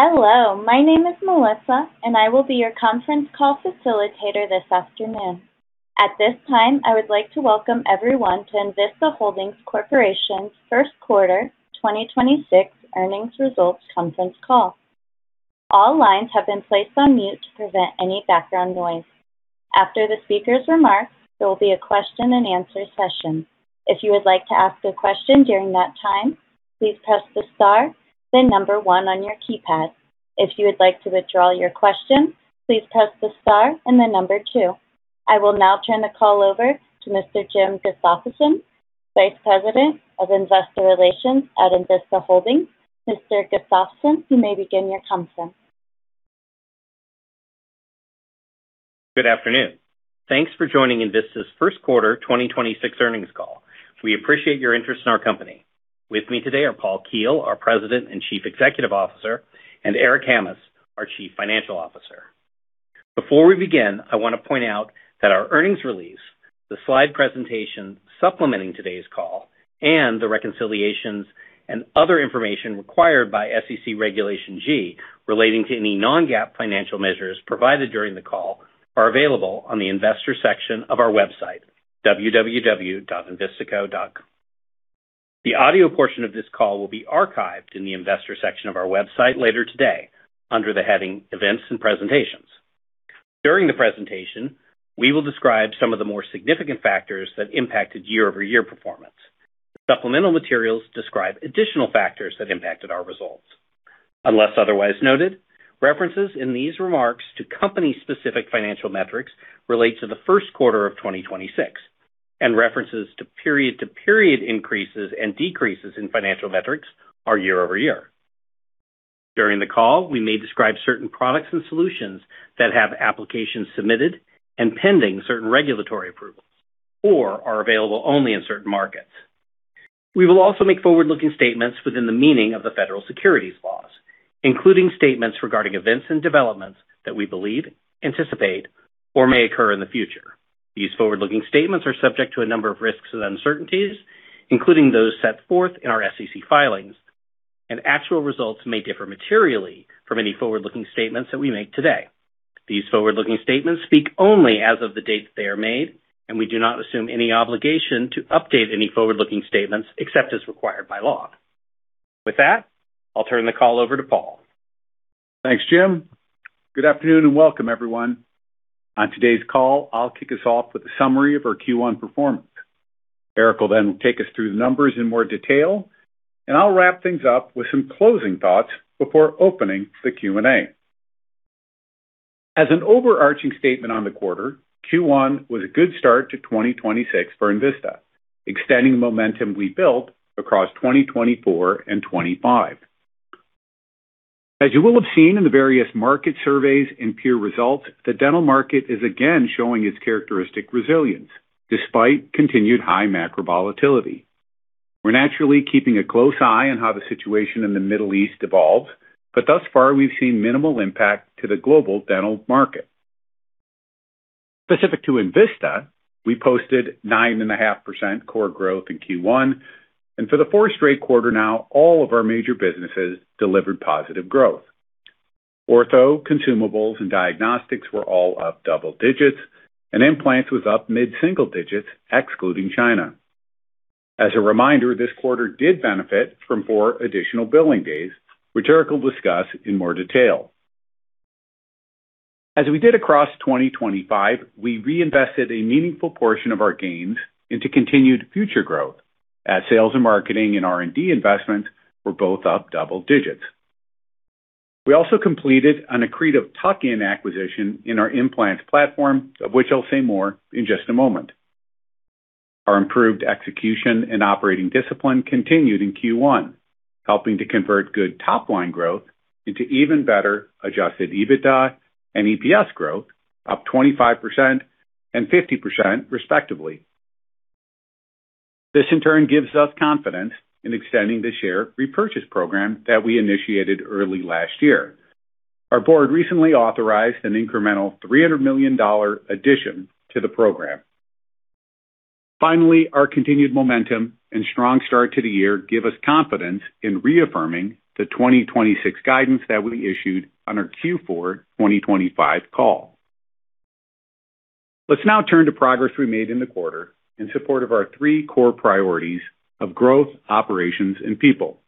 Hello, my name is Melissa, and I will be your conference call facilitator this afternoon. At this time, I would like to welcome everyone to Envista Holdings Corporation's first quarter 2026 earnings results conference call. All lines have been placed on mute to prevent any background noise. After the speaker's remarks, there will be a question and answer session. If you would like to ask a question during that time, please press the Star, then number one on your keypad. If you would like to withdraw your question, please press the star and then number two. I will now turn the call over to Mr. Jim Gustafson, Vice President of Investor Relations at Envista Holdings. Mr. Gustafson, you may begin your conference. Good afternoon. Thanks for joining Envista's first quarter 2026 earnings call. We appreciate your interest in our company. With me today are Paul Keel, our President and Chief Executive Officer, and Eric Hammes, our Chief Financial Officer. Before we begin, I want to point out that our earnings release, the Slide presentation supplementing today's call, and the reconciliations and other information required by SEC Regulation G relating to any non-GAAP financial measures provided during the call are available on the investor section of our website, www.envistaco.com. The audio portion of this call will be archived in the investor section of our website later today under the heading Events and Presentations. During the presentation, we will describe some of the more significant factors that impacted year-over-year performance. Supplemental materials describe additional factors that impacted our results. Unless otherwise noted, references in these remarks to company-specific financial metrics relate to the first quarter of 2026, and references to period-to-period increases and decreases in financial metrics are year-over-year. During the call, we may describe certain products and solutions that have applications submitted and pending certain regulatory approvals or are available only in certain markets. We will also make forward-looking statements within the meaning of the Federal Securities Laws, including statements regarding events and developments that we believe, anticipate, or may occur in the future. These forward-looking statements are subject to a number of risks and uncertainties, including those set forth in our SEC filings, and actual results may differ materially from any forward-looking statements that we make today. These forward-looking statements speak only as of the date they are made, and we do not assume any obligation to update any forward-looking statements except as required by law. With that, I'll turn the call over to Paul. Thanks, Jim. Good afternoon and welcome, everyone. On today's call, I'll kick us off with a summary of our Q1 performance. Eric will then take us through the numbers in more detail, and I'll wrap things up with some closing thoughts before opening the Q&A. As an overarching statement on the quarter, Q1 was a good start to 2026 for Envista, extending the momentum we built across 2024 and 2025. As you will have seen in the various market surveys and peer results, the dental market is again showing its characteristic resilience despite continued high macro volatility. We're naturally keeping a close eye on how the situation in the Middle East evolves, but thus far, we've seen minimal impact to the global dental market. Specific to Envista, we posted 9.5% core growth in Q1, and for the 4th straight quarter now, all of our major businesses delivered positive growth. Ortho, Consumables, and Diagnostics were all up double digits, and Implants was up mid-single digits, excluding China. As a reminder, this quarter did benefit from four additional billing days, which Eric will discuss in more detail. As we did across 2025, we reinvested a meaningful portion of our gains into continued future growth as sales and marketing and R&D investment were both up double digits. We also completed an accretive tuck-in acquisition in our Implants platform, of which I'll say more in just a moment. Our improved execution and operating discipline continued in Q1, helping to convert good top-line growth into even better adjusted EBITDA and EPS growth, up 25% and 50% respectively. This, in turn, gives us confidence in extending the share repurchase program that we initiated early last year. Our board recently authorized an incremental $300 million addition to the program. Our continued momentum and strong start to the year give us confidence in reaffirming the 2026 guidance that we issued on our Q4 2025 call. Let's now turn to progress we made in the quarter in support of our three core priorities of growth, operations, and people.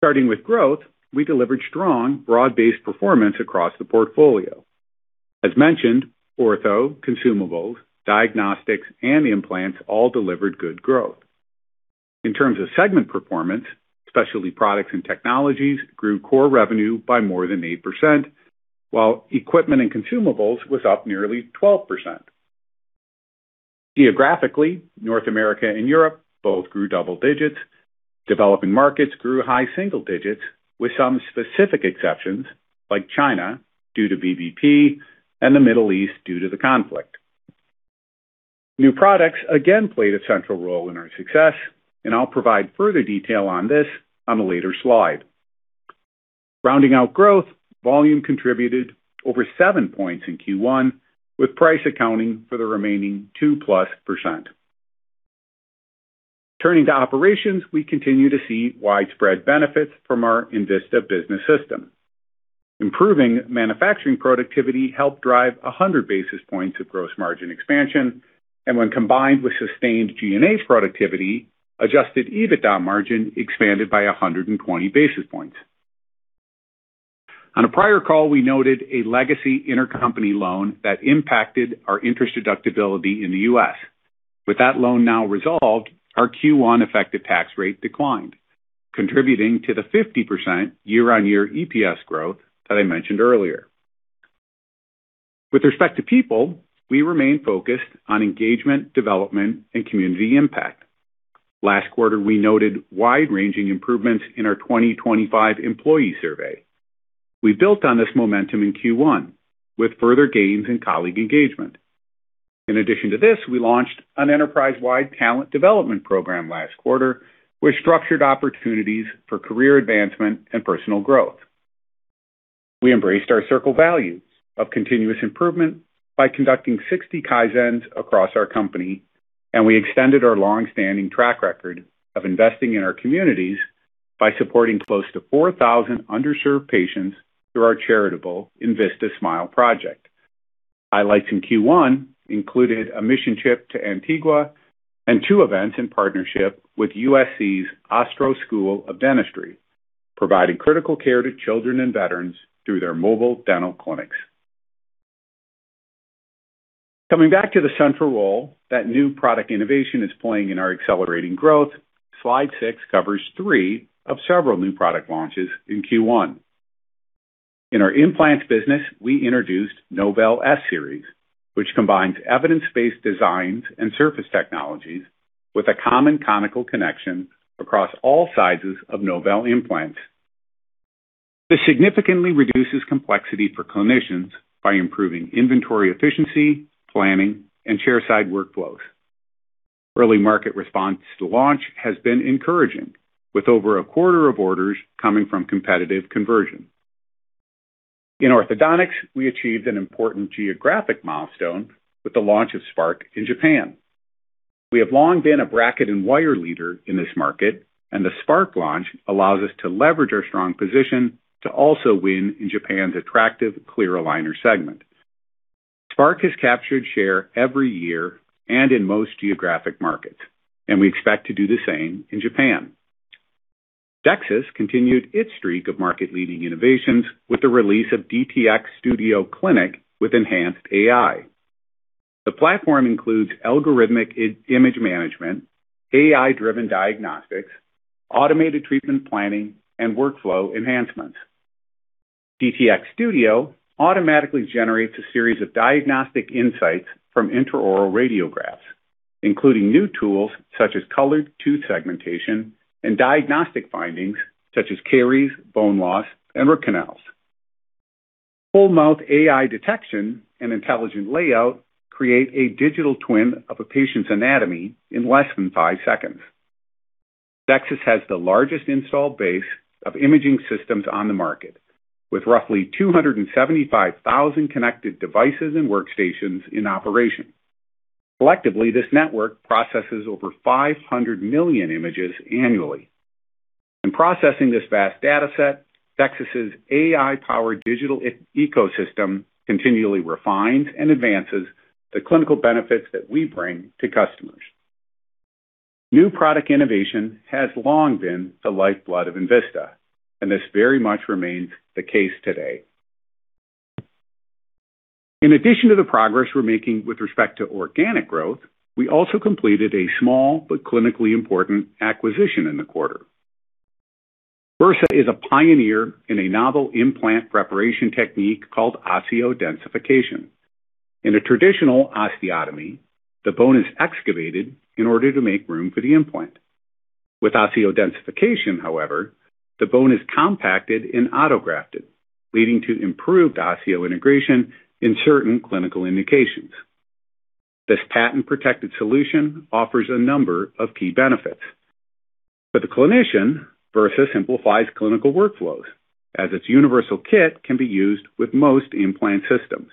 Starting with growth, we delivered strong, broad-based performance across the portfolio. As mentioned, ortho, consumables, diagnostics, and implants all delivered good growth. In terms of segment performance, Specialty Products & Technologies grew core revenue by more than 8%, while Equipment & Consumables was up nearly 12%. Geographically, North America and Europe both grew double digits. Developing markets grew high single digits, with some specific exceptions like China due to VBP and the Middle East due to the conflict. New products again played a central role in our success. I'll provide further detail on this on a later Slide. Rounding out growth, volume contributed over seven points in Q1, with price accounting for the remaining 2+%. Turning to operations, we continue to see widespread benefits from our Envista Business System. Improving manufacturing productivity helped drive 100 basis points of gross margin expansion, and when combined with sustained G&A productivity, adjusted EBITDA margin expanded by 120 basis points. On a prior call, we noted a legacy intercompany loan that impacted our interest deductibility in the U.S. With that loan now resolved, our Q1 effective tax rate declined, contributing to the 50% year-on-year EPS growth that I mentioned earlier. With respect to people, we remain focused on engagement, development, and community impact. Last quarter, we noted wide-ranging improvements in our 2025 employee survey. We built on this momentum in Q1 with further gains in colleague engagement. In addition to this, we launched an enterprise-wide talent development program last quarter with structured opportunities for career advancement and personal growth. We embraced our CIRCLe values of continuous improvement by conducting 60 Kaizens across our company, and we extended our long-standing track record of investing in our communities by supporting close to 4,000 underserved patients through our charitable Envista Smile Project. Highlights in Q1 included a mission trip to Antigua and two events in partnership with USC's Herman Ostrow School of Dentistry, providing critical care to children and veterans through their mobile dental clinics. Coming back to the central role that new product innovation is playing in our accelerating growth, Slide six covers three of several new product launches in Q1. In our implants business, we introduced Nobel S series, which combines evidence-based designs and surface technologies with a common conical connection across all sizes of Nobel implants. This significantly reduces complexity for clinicians by improving inventory efficiency, planning, and chairside workflows. Early market response to launch has been encouraging, with over a quarter of orders coming from competitive conversion. In orthodontics, we achieved an important geographic milestone with the launch of Spark in Japan. We have long been a bracket and wire leader in this market, and the Spark launch allows us to leverage our strong position to also win in Japan's attractive clear aligner segment. Spark has captured share every year and in most geographic markets. We expect to do the same in Japan. DEXIS continued its streak of market-leading innovations with the release of DTX Studio Clinic with enhanced AI. The platform includes algorithmic image management, AI-driven diagnostics, automated treatment planning, and workflow enhancements. DTX Studio automatically generates a series of diagnostic insights from intraoral radiographs, including new tools such as colored tooth segmentation and diagnostic findings such as caries, bone loss, and root canals. Full-mouth AI detection and intelligent layout create a digital twin of a patient's anatomy in less than five seconds. DEXIS has the largest installed base of imaging systems on the market, with roughly 275,000 connected devices and workstations in operation. Collectively, this network processes over 500 million images annually. In processing this vast data set, DEXIS' AI-powered digital ecosystem continually refines and advances the clinical benefits that we bring to customers. New product innovation has long been the lifeblood of Envista, and this very much remains the case today. In addition to the progress we're making with respect to organic growth, we also completed a small but clinically important acquisition in the quarter. Versah is a pioneer in a novel implant preparation technique called osseodensification. In a traditional osteotomy, the bone is excavated in order to make room for the implant. With osseodensification, however, the bone is compacted and autografted, leading to improved osseointegration in certain clinical indications. This patent-protected solution offers a number of key benefits. For the clinician, Versah simplifies clinical workflows as its universal kit can be used with most implant systems.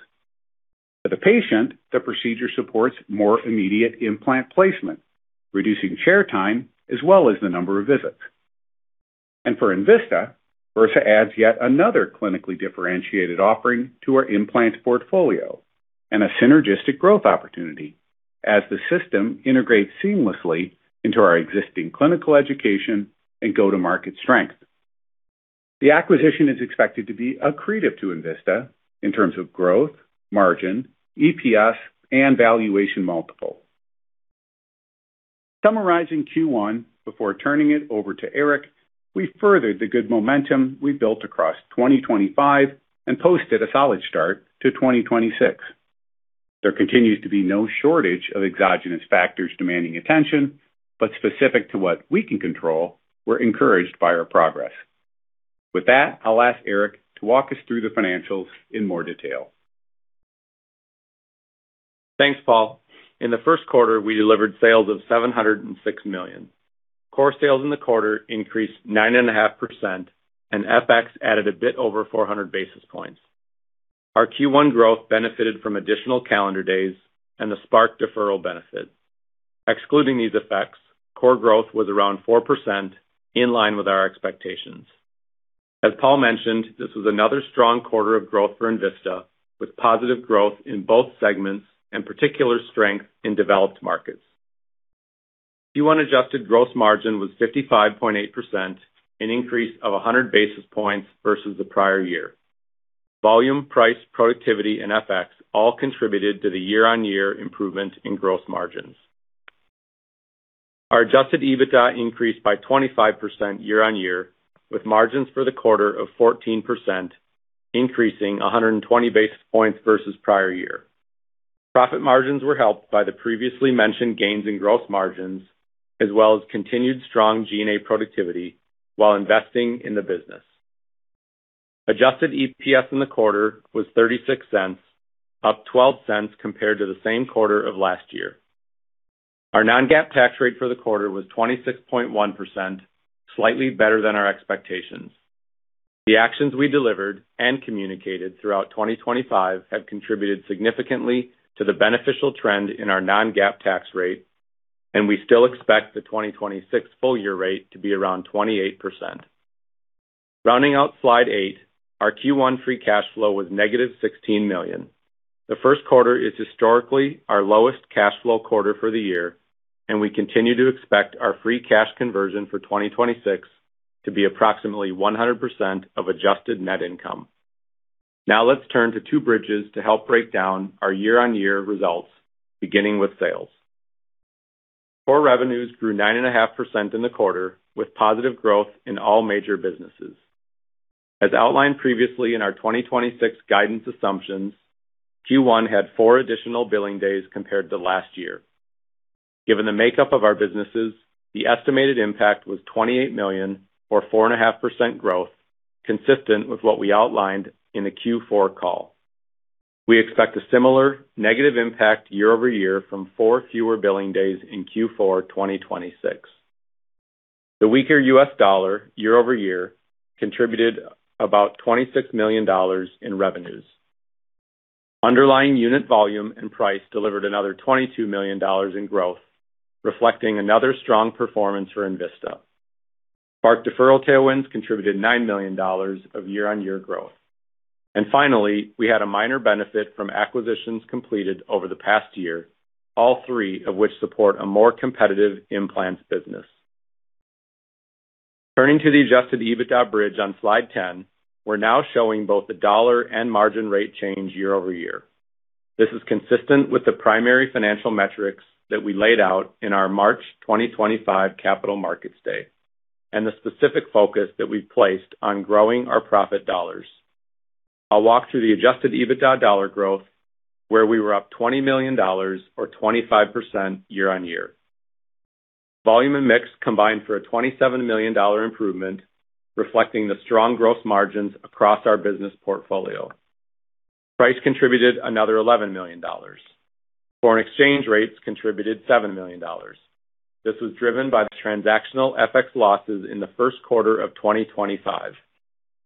For the patient, the procedure supports more immediate implant placement, reducing chair time as well as the number of visits. For Envista, Versah adds yet another clinically differentiated offering to our implant portfolio and a synergistic growth opportunity as the system integrates seamlessly into our existing clinical education and go-to-market strength. The acquisition is expected to be accretive to Envista in terms of growth, margin, EPS, and valuation multiple. Summarizing Q1 before turning it over to Eric, we furthered the good momentum we built across 2025 and posted a solid start to 2026. There continues to be no shortage of exogenous factors demanding attention, but specific to what we can control, we're encouraged by our progress. With that, I'll ask Eric to walk us through the financials in more detail. Thanks, Paul. In the first quarter, we delivered sales of $706 million. Core sales in the quarter increased 9.5%, and FX added a bit over 400 basis points. Our Q1 growth benefited from additional calendar days and the Spark deferral benefit. Excluding these effects, core growth was around 4%, in line with our expectations. As Paul mentioned, this was another strong quarter of growth for Envista, with positive growth in both segments and particular strength in developed markets. Q1 adjusted gross margin was 55.8%, an increase of 100 basis points versus the prior year. Volume, price, productivity, and FX all contributed to the year-over-year improvement in gross margins. Our adjusted EBITDA increased by 25% year-over-year, with margins for the quarter of 14%, increasing 120 basis points versus prior year. Profit margins were helped by the previously mentioned gains in gross margins, as well as continued strong G&A productivity while investing in the business. Adjusted EPS in the quarter was $0.36, up $0.12 compared to the same quarter of last year. Our non-GAAP tax rate for the quarter was 26.1%, slightly better than our expectations. The actions we delivered and communicated throughout 2025 have contributed significantly to the beneficial trend in our non-GAAP tax rate, and we still expect the 2026 full year rate to be around 28%. Rounding out Slide eight, our Q1 free cash flow was negative $16 million. The first quarter is historically our lowest cash flow quarter for the year, and we continue to expect our free cash conversion for 2026 to be approximately 100% of adjusted net income. Now let's turn to two bridges to help break down our year-over-year results, beginning with sales. Core revenues grew 9.5% in the quarter, with positive growth in all major businesses. As outlined previously in our 2026 guidance assumptions, Q1 had four additional billing days compared to last year. Given the makeup of our businesses, the estimated impact was $28 million, or 4.5% growth, consistent with what we outlined in the Q4 call. We expect a similar negative impact year-over-year from four fewer billing days in Q4 2026. The weaker U.S. dollar year-over-year contributed about $26 million in revenues. Underlying unit volume and price delivered another $22 million in growth, reflecting another strong performance for Envista. Spark deferral tailwinds contributed $9 million of year-over-year growth. Finally, we had a minor benefit from acquisitions completed over the past year, all three of which support a more competitive implants business. Turning to the adjusted EBITDA bridge on Slide 10, we're now showing both the dollar and margin rate change year-over-year. This is consistent with the primary financial metrics that we laid out in our March 2025 Capital Markets Day and the specific focus that we've placed on growing our profit dollars. I'll walk through the adjusted EBITDA dollar growth, where we were up $20 million or 25% year-on-year. Volume and mix combined for a $27 million improvement, reflecting the strong gross margins across our business portfolio. Price contributed another $11 million. Foreign exchange rates contributed $7 million. This was driven by the transactional FX losses in the first quarter of 2025.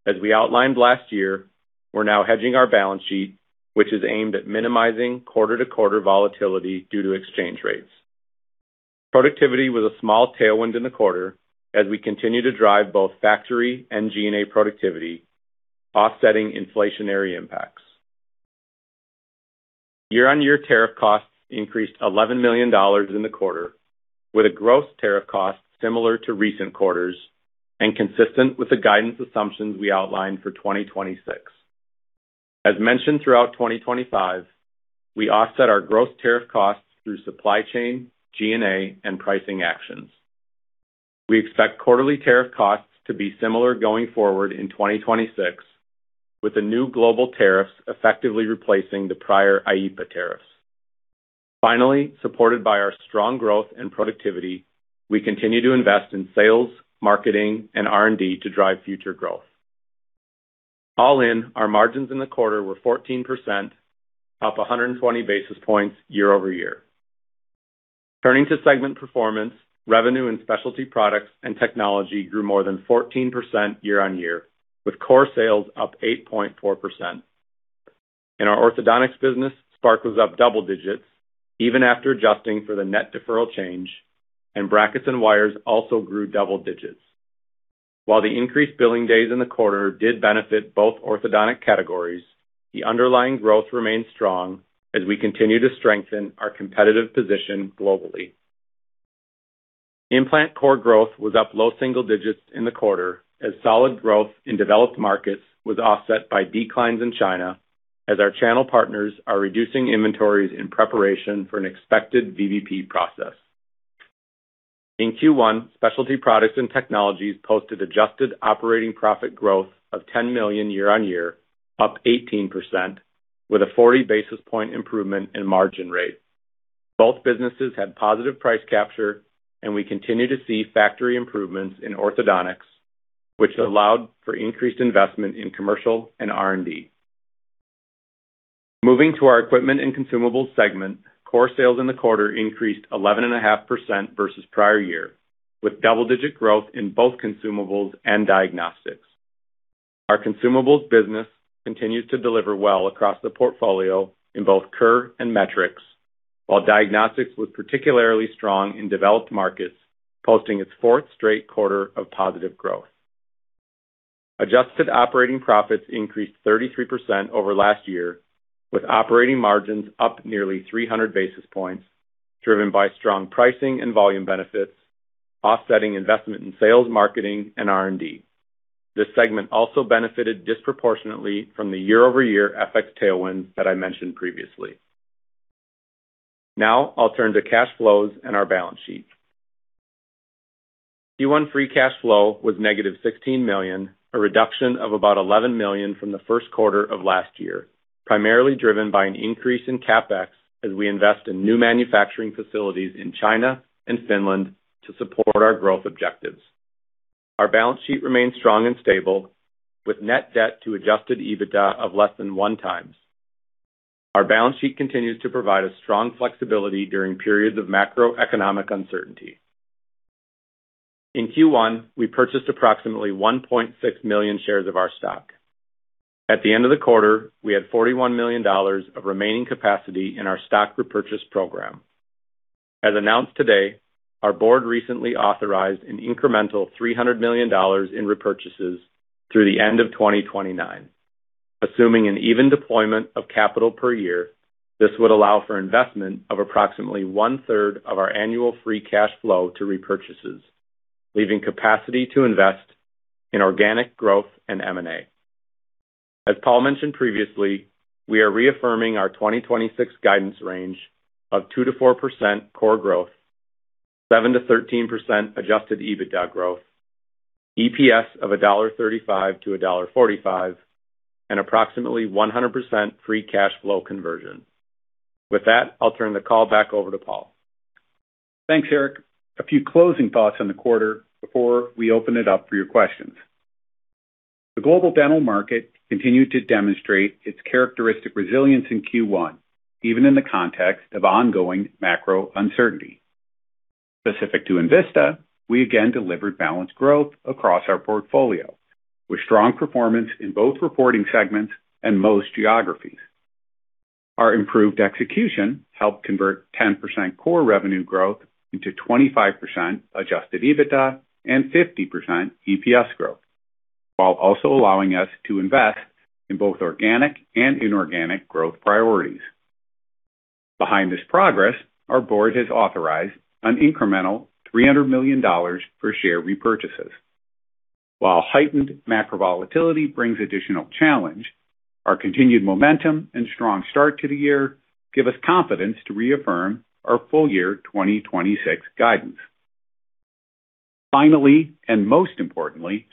As we outlined last year, we're now hedging our balance sheet, which is aimed at minimizing quarter-to-quarter volatility due to exchange rates. Productivity was a small tailwind in the quarter as we continue to drive both factory and G&A productivity, offsetting inflationary impacts. Year-over-year tariff costs increased $11 million in the quarter, with a gross tariff cost similar to recent quarters and consistent with the guidance assumptions we outlined for 2026. As mentioned throughout 2025, we offset our gross tariff costs through supply chain, G&A, and pricing actions. We expect quarterly tariff costs to be similar going forward in 2026, with the new global tariffs effectively replacing the prior IEEPA tariffs. Finally, supported by our strong growth and productivity, we continue to invest in sales, marketing, and R&D to drive future growth. All in, our margins in the quarter were 14%, up 120 basis points year-over-year. Turning to segment performance, revenue in Specialty Products & Technologies grew more than 14% year-on-year, with core sales up 8.4%. In our orthodontics business, Spark was up double digits even after adjusting for the net deferral change, and brackets and wires also grew double digits. While the increased billing days in the quarter did benefit both orthodontic categories, the underlying growth remains strong as we continue to strengthen our competitive position globally. Implant core growth was up low single digits in the quarter as solid growth in developed markets was offset by declines in China as our channel partners are reducing inventories in preparation for an expected VBP process. In Q1, Specialty Products & Technologies posted adjusted operating profit growth of $10 million year-over-year, up 18%, with a 40 basis point improvement in margin rates. Both businesses had positive price capture, and we continue to see factory improvements in orthodontics, which allowed for increased investment in commercial and R&D. Moving to our Equipment & Consumables segment, core sales in the quarter increased 11.5% versus prior year, with double-digit growth in both consumables and diagnostics. Our consumables business continued to deliver well across the portfolio in both Kerr and metrics, while diagnostics was particularly strong in developed markets, posting its 4th straight quarter of positive growth. Adjusted operating profits increased 33% over last year, with operating margins up nearly 300 basis points, driven by strong pricing and volume benefits, offsetting investment in sales, marketing, and R&D. This segment also benefited disproportionately from the year-over-year FX tailwinds that I mentioned previously. Now I'll turn to cash flows and our balance sheet. Q1 free cash flow was negative $16 million, a reduction of about $11 million from the first quarter of last year, primarily driven by an increase in CapEx as we invest in new manufacturing facilities in China and Finland to support our growth objectives. Our balance sheet remains strong and stable, with net debt to adjusted EBITDA of less than one times. Our balance sheet continues to provide strong flexibility during periods of macroeconomic uncertainty. In Q1, we purchased approximately 1.6 million shares of our stock. At the end of the quarter, we had $41 million of remaining capacity in our stock repurchase program. As announced today, our board recently authorized an incremental $300 million in repurchases through the end of 2029. Assuming an even deployment of capital per year, this would allow for investment of approximately one-third of our annual free cash flow to repurchases, leaving capacity to invest in organic growth and M&A. As Paul mentioned previously, we are reaffirming our 2026 guidance range of 2%-4% core growth, 7%-13% adjusted EBITDA growth, EPS of $1.35 to $1.45, and approximately 100% free cash flow conversion. With that, I'll turn the call back over to Paul. Thanks, Eric. A few closing thoughts on the quarter before we open it up for your questions. The global dental market continued to demonstrate its characteristic resilience in Q1, even in the context of ongoing macro uncertainty. Specific to Envista, we again delivered balanced growth across our portfolio, with strong performance in both reporting segments and most geographies. Our improved execution helped convert 10% core revenue growth into 25% adjusted EBITDA and 50% EPS growth, while also allowing us to invest in both organic and inorganic growth priorities. Behind this progress, our board has authorized an incremental $300 million for share repurchases. While heightened macro volatility brings additional challenge, our continued momentum and strong start to the year give us confidence to reaffirm our full year 2026 guidance. Finally, and most importantly,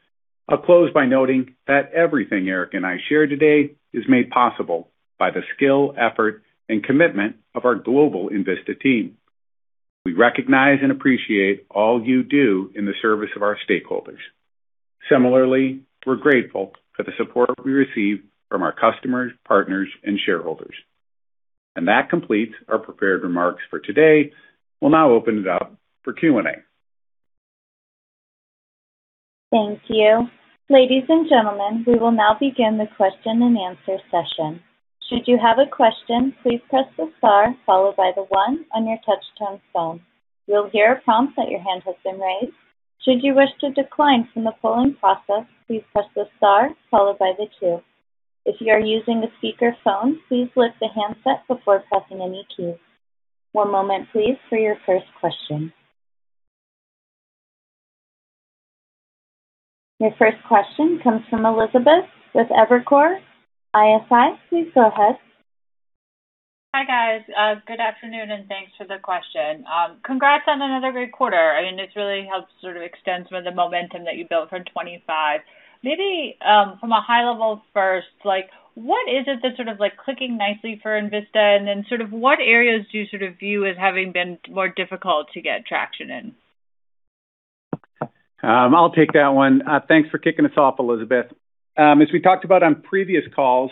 I'll close by noting that everything Eric and I shared today is made possible by the skill, effort, and commitment of our global Envista team. We recognize and appreciate all you do in the service of our stakeholders. Similarly, we're grateful for the support we receive from our customers, partners, and shareholders. That completes our prepared remarks for today. We'll now open it up for Q&A. Thank you. Ladies and gentlemen, we will now begin the question and answer session. Should you have a question, please press the Star followed by the one on your touch-tone phone. You'll hear a prompt that your hand has been raised. Should you wish to decline from the polling process, please press the Star followed by the two. If you are using a speakerphone, please lift the handset before pressing any key. One moment please for your first question. Your first question comes from Elizabeth with Evercore ISI. Please go ahead. Hi, guys. Good afternoon, and thanks for the question. Congrats on another great quarter. I mean, this really helps sort of extend some of the momentum that you built from 2025. Maybe, from a high level first, like, what is it that's sort of like clicking nicely for Envista? Then sort of what areas do you sort of view as having been more difficult to get traction in? I'll take that one. Thanks for kicking us off, Elizabeth. As we talked about on previous calls,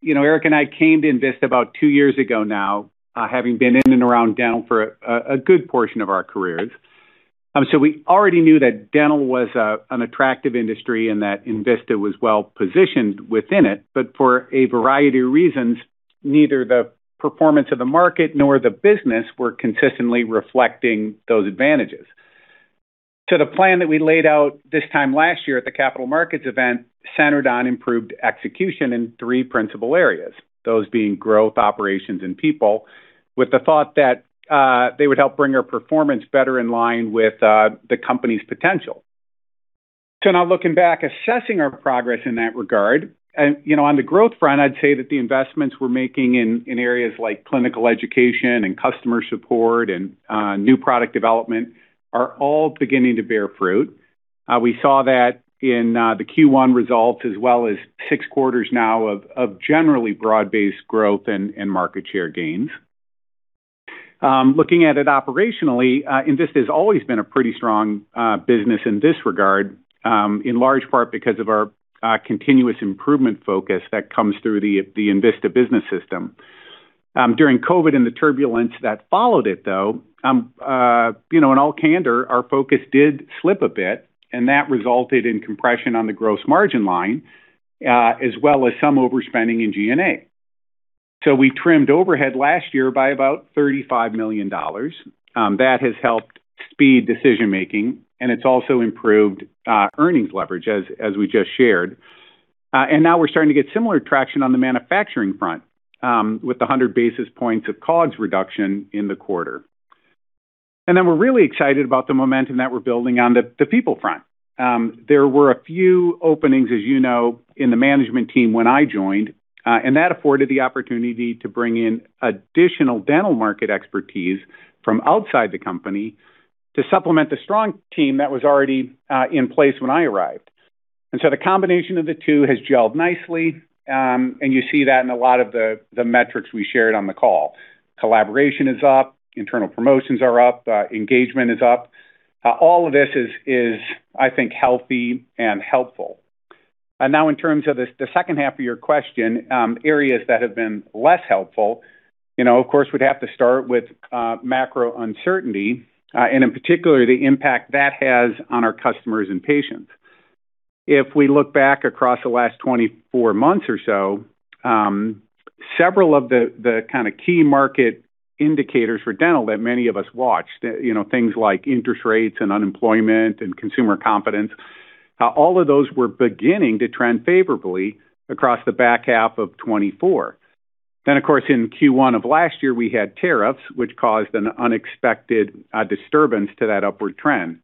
you know, Eric and I came to Envista about two years ago now, having been in and around dental for a good portion of our careers. We already knew that dental was an attractive industry and that Envista was well positioned within it. For a variety of reasons, neither the performance of the market nor the business were consistently reflecting those advantages. The plan that we laid out this time last year at the capital markets event centered on improved execution in three principal areas, those being growth, operations, and people, with the thought that they would help bring our performance better in line with the company's potential. Looking back, assessing our progress in that regard, and, you know, on the growth front, I'd say that the investments we're making in areas like clinical education and customer support and new product development are all beginning to bear fruit. We saw that in the Q1 results as well as 6 quarters now of generally broad-based growth and market share gains. Looking at it operationally, Envista has always been a pretty strong business in this regard, in large part because of our continuous improvement focus that comes through the Envista Business System. During COVID and the turbulence that followed it, though, you know, in all candor, our focus did slip a bit, and that resulted in compression on the gross margin line as well as some overspending in G&A. We trimmed overhead last year by about $35 million. That has helped speed decision-making, and it's also improved earnings leverage, as we just shared. Now we're starting to get similar traction on the manufacturing front, with 100 basis points of COGS reduction in the quarter. We're really excited about the momentum that we're building on the people front. There were a few openings, as you know, in the management team when I joined, that afforded the opportunity to bring in additional dental market expertise from outside the company to supplement the strong team that was already in place when I arrived. The combination of the two has gelled nicely, you see that in a lot of the metrics we shared on the call. Collaboration is up, internal promotions are up, engagement is up. All of this is, I think, healthy and helpful. Now in terms of the second half of your question, areas that have been less helpful, you know, of course, we'd have to start with macro uncertainty, and in particular, the impact that has on our customers and patients. If we look back across the last 24 months or so, several of the kind of key market indicators for dental that many of us watched, you know, things like interest rates and unemployment and consumer confidence, all of those were beginning to trend favorably across the back half of 2024. Of course, in Q1 of last year, we had tariffs, which caused an unexpected disturbance to that upward trend.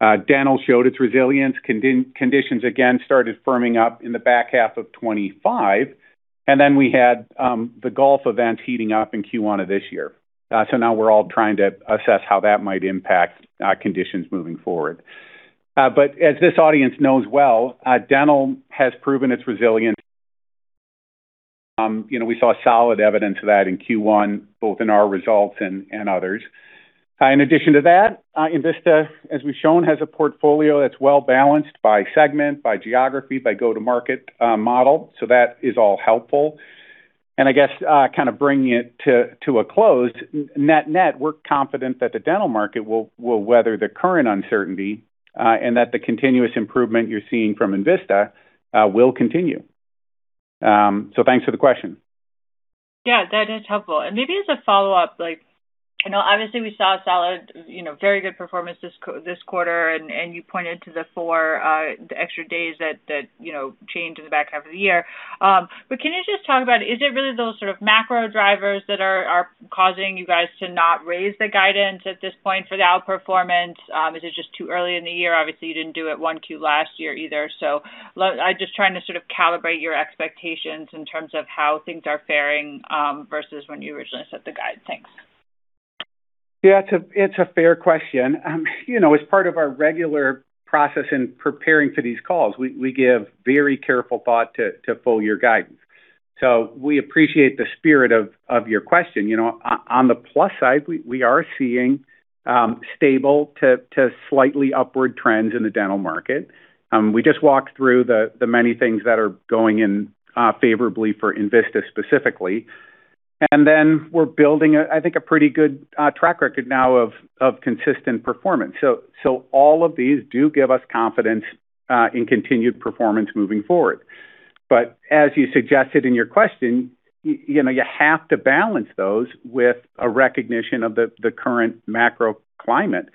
Dental showed its resilience. Conditions again started firming up in the back half of 2025, then we had the Gulf event heating up in Q1 of this year. Now we're all trying to assess how that might impact conditions moving forward. As this audience knows well, dental has proven its resilience. You know, we saw solid evidence of that in Q1, both in our results and others. In addition to that, Envista, as we've shown, has a portfolio that's well-balanced by segment, by geography, by go-to-market model, that is all helpful. I guess, kind of bringing it to a close, net/net, we're confident that the dental market will weather the current uncertainty, that the continuous improvement you're seeing from Envista will continue. Thanks for the question. Yeah, that is helpful. Maybe as a follow-up, like, I know obviously we saw a solid, you know, very good performance this quarter, and you pointed to the 4 extra days that, you know, changed in the back half of the year. Can you just talk about, is it really those sort of macro drivers that are causing you guys to not raise the guidance at this point for the outperformance? Is it just too early in the year? Obviously, you didn't do it 1Q last year either. I'm just trying to sort of calibrate your expectations in terms of how things are faring versus when you originally set the guide. Thanks. Yeah, it's a fair question. You know, as part of our regular process in preparing for these calls, we give very careful thought to full year guidance. We appreciate the spirit of your question. You know, on the plus side, we are seeing stable to slightly upward trends in the dental market. We just walked through the many things that are going in favorably for Envista specifically. We're building a, I think, a pretty good track record now of consistent performance. All of these do give us confidence in continued performance moving forward. As you suggested in your question, you know, you have to balance those with a recognition of the current macro climate.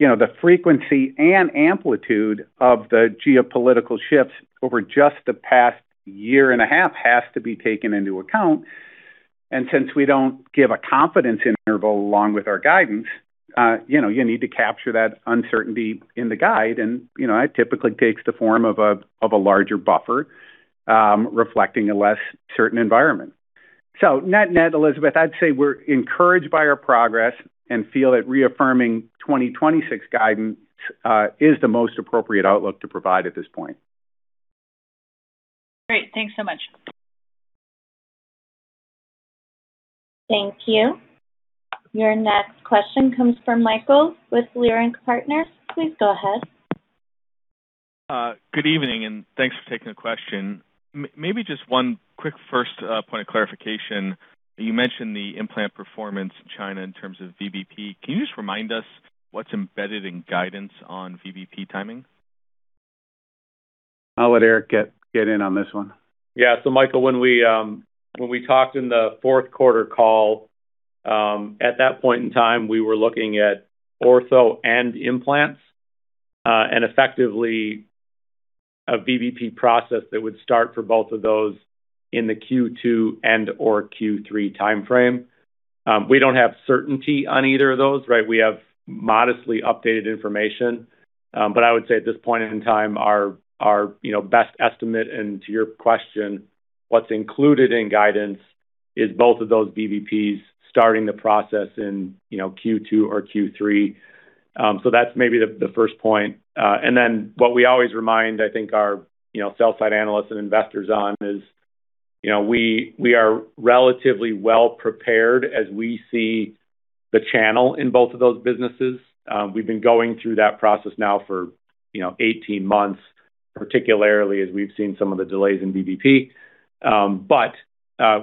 You know, the frequency and amplitude of the geopolitical shifts over just the past year and a half has to be taken into account. Since we don't give a confidence interval along with our guidance, you know, you need to capture that uncertainty in the guide and, you know, that typically takes the form of a, of a larger buffer, reflecting a less certain environment. Net/net, Elizabeth, I'd say we're encouraged by our progress and feel that reaffirming 2026 guidance, is the most appropriate outlook to provide at this point. Great. Thanks so much. Thank you. Your next question comes from Michael with Leerink Partners. Please go ahead. Good evening, thanks for taking the question. Maybe just one quick first point of clarification. You mentioned the implant performance in China in terms of VBP. Can you just remind us what's embedded in guidance on VBP timing? I'll let Eric get in on this one. Michael, when we, when we talked in the 4th quarter call, at that point in time, we were looking at ortho and implants, and effectively a VBP process that would start for both of those in the Q2 and/or Q3 timeframe. We don't have certainty on either of those, right? We have modestly updated information. I would say at this point in time, our, you know, best estimate, and to your question, what's included in guidance is both of those VBPs starting the process in, you know, Q2 or Q3. That's maybe the 1st point. What we always remind, I think, our, you know, sell side analysts and investors on is, you know, we are relatively well-prepared as we see the channel in both of those businesses. We've been going through that process now for, you know, 18 months, particularly as we've seen some of the delays in VBP.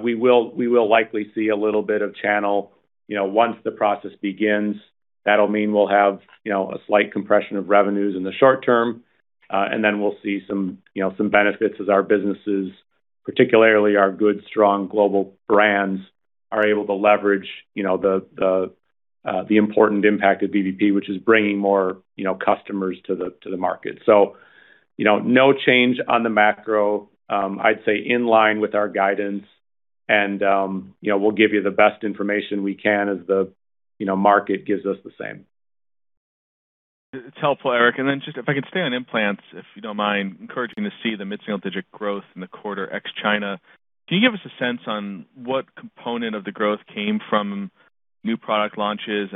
We will likely see a little bit of channel, you know, once the process begins. That will mean we will have, you know, a slight compression of revenues in the short term, and then we will see some, you know, some benefits as our businesses, particularly our good, strong global brands, are able to leverage, you know, the important impact of VBP, which is bringing more, you know, customers to the market. You know, no change on the macro. I'd say in line with our guidance, and, you know, we will give you the best information we can as the, you know, market gives us the same. It's helpful, Eric. Just if I could stay on implants, if you don't mind. Encouraging to see the mid-single-digit growth in the quarter ex China. Can you give us a sense on what component of the growth came from new product launches?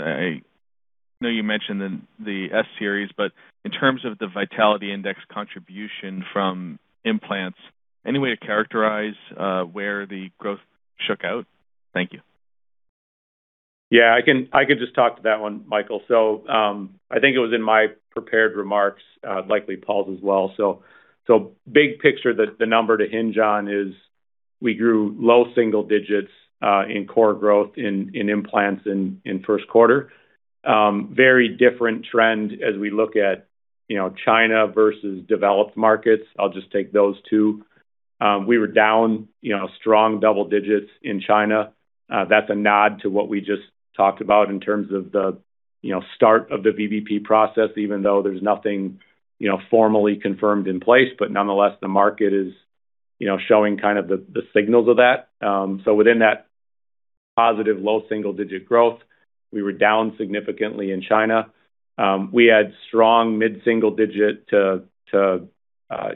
I know you mentioned the Nobel S series, but in terms of the Vitality Index contribution from implants, any way to characterize where the growth shook out? Thank you. Yeah, I can just talk to that one, Michael. I think it was in my prepared remarks, likely Paul's as well. Big picture the number to hinge on is we grew low single digits in core growth in implants in first quarter. Very different trend as we look at, you know, China versus developed markets. I'll just take those two. We were down, you know, strong double digits in China. That's a nod to what we just talked about in terms of the, you know, start of the VBP process, even though there's nothing, you know, formally confirmed in place, but nonetheless, the market is, you know, showing kind of the signals of that. Within that positive low single digit growth, we were down significantly in China. We had strong mid-single digit to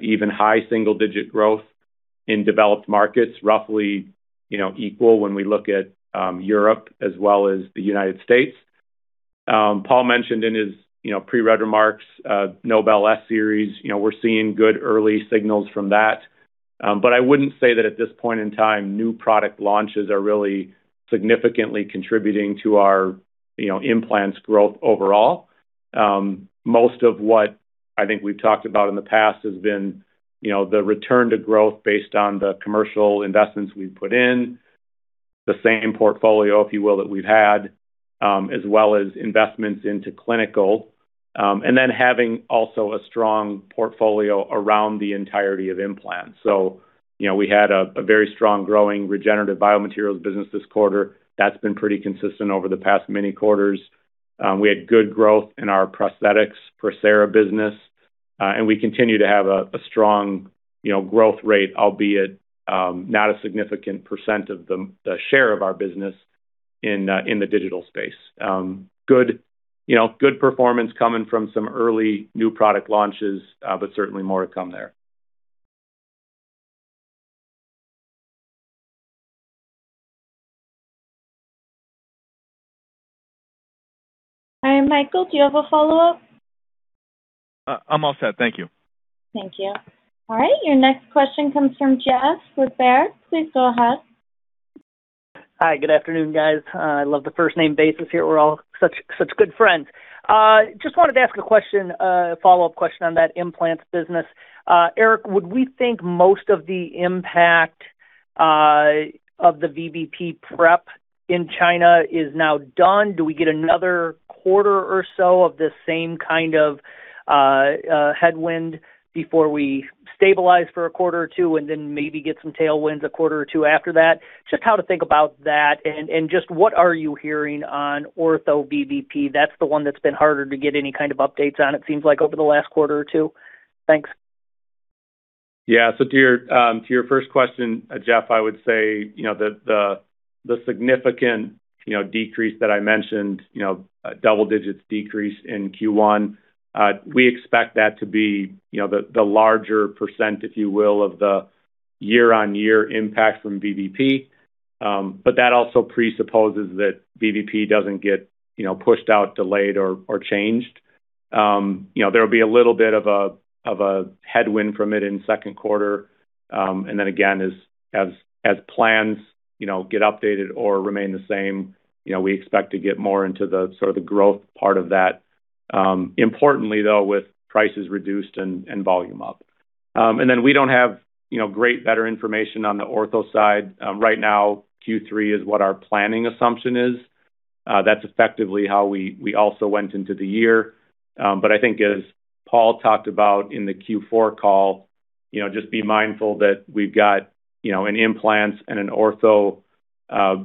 even high single digit growth in developed markets, roughly, you know, equal when we look at Europe as well as the U.S. Paul mentioned in his, you know, pre-read remarks, Nobel S series. You know, we're seeing good early signals from that. I wouldn't say that at this point in time, new product launches are really significantly contributing to our, you know, implants growth overall. Most of what I think we've talked about in the past has been, you know, the return to growth based on the commercial investments we've put in, the same portfolio, if you will, that we've had, as well as investments into clinical, having also a strong portfolio around the entirety of implants. You know, we had a very strong growing regenerative biomaterials business this quarter. That's been pretty consistent over the past many quarters. We had good growth in our prosthetics, Procera business, and we continue to have a strong, you know, growth rate, albeit, not a significant percent of the share of our business in the digital space. Good, you know, good performance coming from some early new product launches, but certainly more to come there. Hi, Michael, do you have a follow-up? I'm all set. Thank you. Thank you. All right, your next question comes from Jeff with Baird. Please go ahead. Hi. Good afternoon, guys. I love the first name basis here. We're all such good friends. Just wanted to ask a question, a follow-up question on that implants business. Eric, would we think most of the impact of the VBP prep in China is now done? Do we get another quarter or so of the same kind of headwind before we stabilize for a quarter or two, and then maybe get some tailwinds a quarter or two after that? Just how to think about that, and just what are you hearing on ortho VBP? That's the one that's been harder to get any kind of updates on, it seems like, over the last quarter or two. Thanks. Yeah. To your 1st question, Jeff, I would say the significant decrease that I mentioned, double-digit decrease in Q1, we expect that to be the larger % if you will, of the year-on-year impact from VBP. That also presupposes that VBP doesn't get pushed out, delayed or changed. There'll be a little bit of a headwind from it in second quarter. Again, as plans get updated or remain the same, we expect to get more into the sort of the growth part of that. Importantly, though, with prices reduced and volume up. We don't have great better information on the ortho side. Right now, Q3 is what our planning assumption is. That's effectively how we also went into the year. I think as Paul talked about in the Q4 call, you know, just be mindful that we've got, you know, an implants and an ortho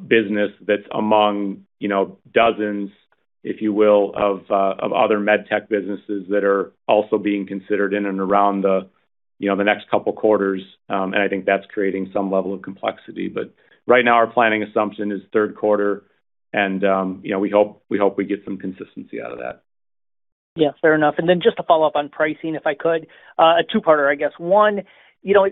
business that's among, you know, dozens, if you will, of other med tech businesses that are also being considered in and around the, you know, the next two quarters. I think that's creating some level of complexity. Right now, our planning assumption is third quarter and, you know, we hope we get some consistency out of that. Yeah, fair enough. Then just to follow up on pricing, if I could, a 2-parter, I guess. One, you know,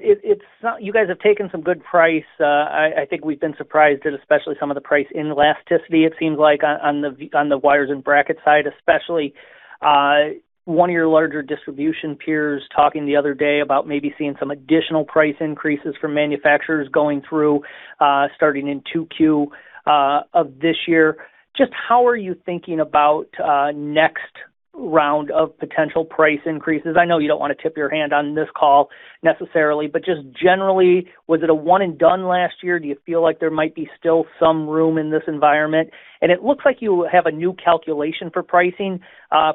you guys have taken some good price. I think we've been surprised at, especially some of the price inelasticity, it seems like on the wires and bracket side, especially. One of your larger distribution peers talking the other day about maybe seeing some additional price increases from manufacturers going through, starting in 2Q of this year. Just how are you thinking about next round of potential price increases? I know you don't want to tip your hand on this call necessarily, but just generally, was it the one and done last year? Do you feel like there might be still some room in this environment? It looks like you have a new calculation for pricing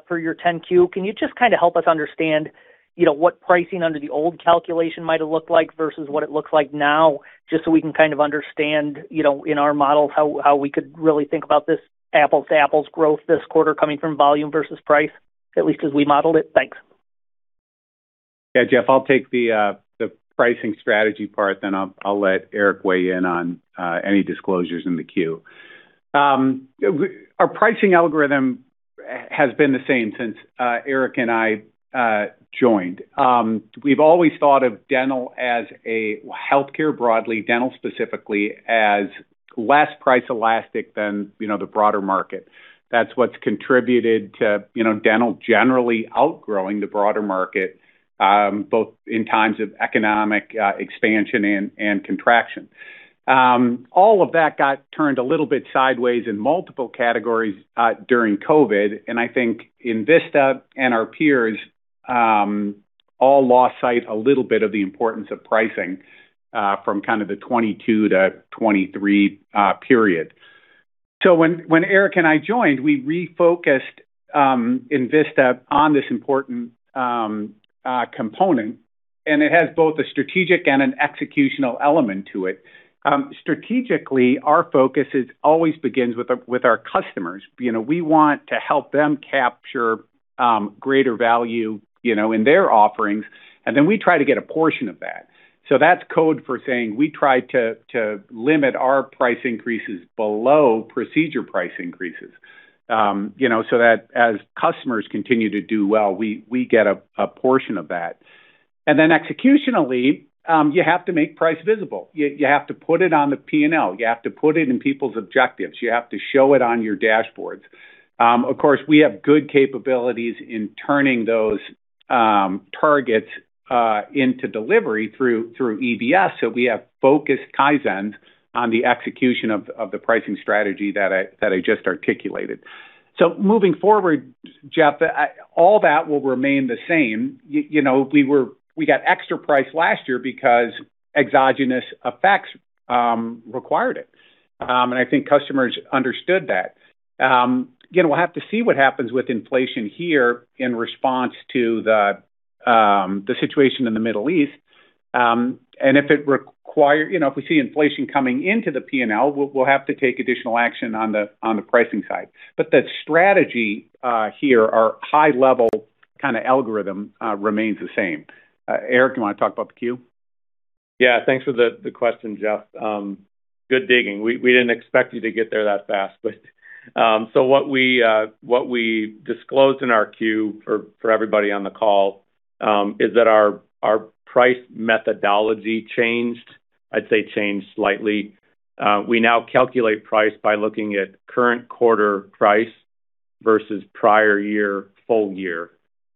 for your 10-Q. Can you just kinda help us understand, you know, what pricing under the old calculation might have looked like versus what it looks like now, just so we can kind of understand, you know, in our models, how we could really think about this apples-to-apples growth this quarter coming from volume versus price, at least as we modeled it? Thanks. Yeah, Jeff, I'll take the pricing strategy part, then I'll let Eric weigh in on any disclosures in the Q. Our pricing algorithm has been the same since Eric and I joined. We've always thought of dental as a healthcare broadly, dental specifically, as less price elastic than, you know, the broader market. That's what's contributed to, you know, dental generally outgrowing the broader market, both in times of economic expansion and contraction. All of that got turned a little bit sideways in multiple categories during COVID, and I think Envista and our peers all lost sight a little bit of the importance of pricing from kind of the 2022 to 2023 period. When Eric and I joined, we refocused Envista on this important component, it has both a strategic and an executional element to it. Strategically, our focus always begins with our customers. You know, we want to help them capture greater value, you know, in their offerings, we try to get a portion of that. That's code for saying we try to limit our price increases below procedure price increases. You know, as customers continue to do well, we get a portion of that. Executionally, you have to make price visible. You have to put it on the P&L. You have to put it in people's objectives. You have to show it on your dashboards. Of course, we have good capabilities in turning those targets into delivery through EBS. We have focused Kaizens on the execution of the pricing strategy that I just articulated. Moving forward, Jeff, all that will remain the same. You know, we got extra price last year because exogenous effects required it. I think customers understood that. Again, we'll have to see what happens with inflation here in response to the situation in the Middle East. If we see inflation coming into the P&L, we'll have to take additional action on the pricing side. The strategy here, our high level kinda algorithm, remains the same. Eric, you wanna talk about the Q? Yeah. Thanks for the question, Jeff. Good digging. We didn't expect you to get there that fast. What we disclosed in our Q4 for everybody on the call is that our price methodology changed. I'd say changed slightly. We now calculate price by looking at current quarter price versus prior year full year.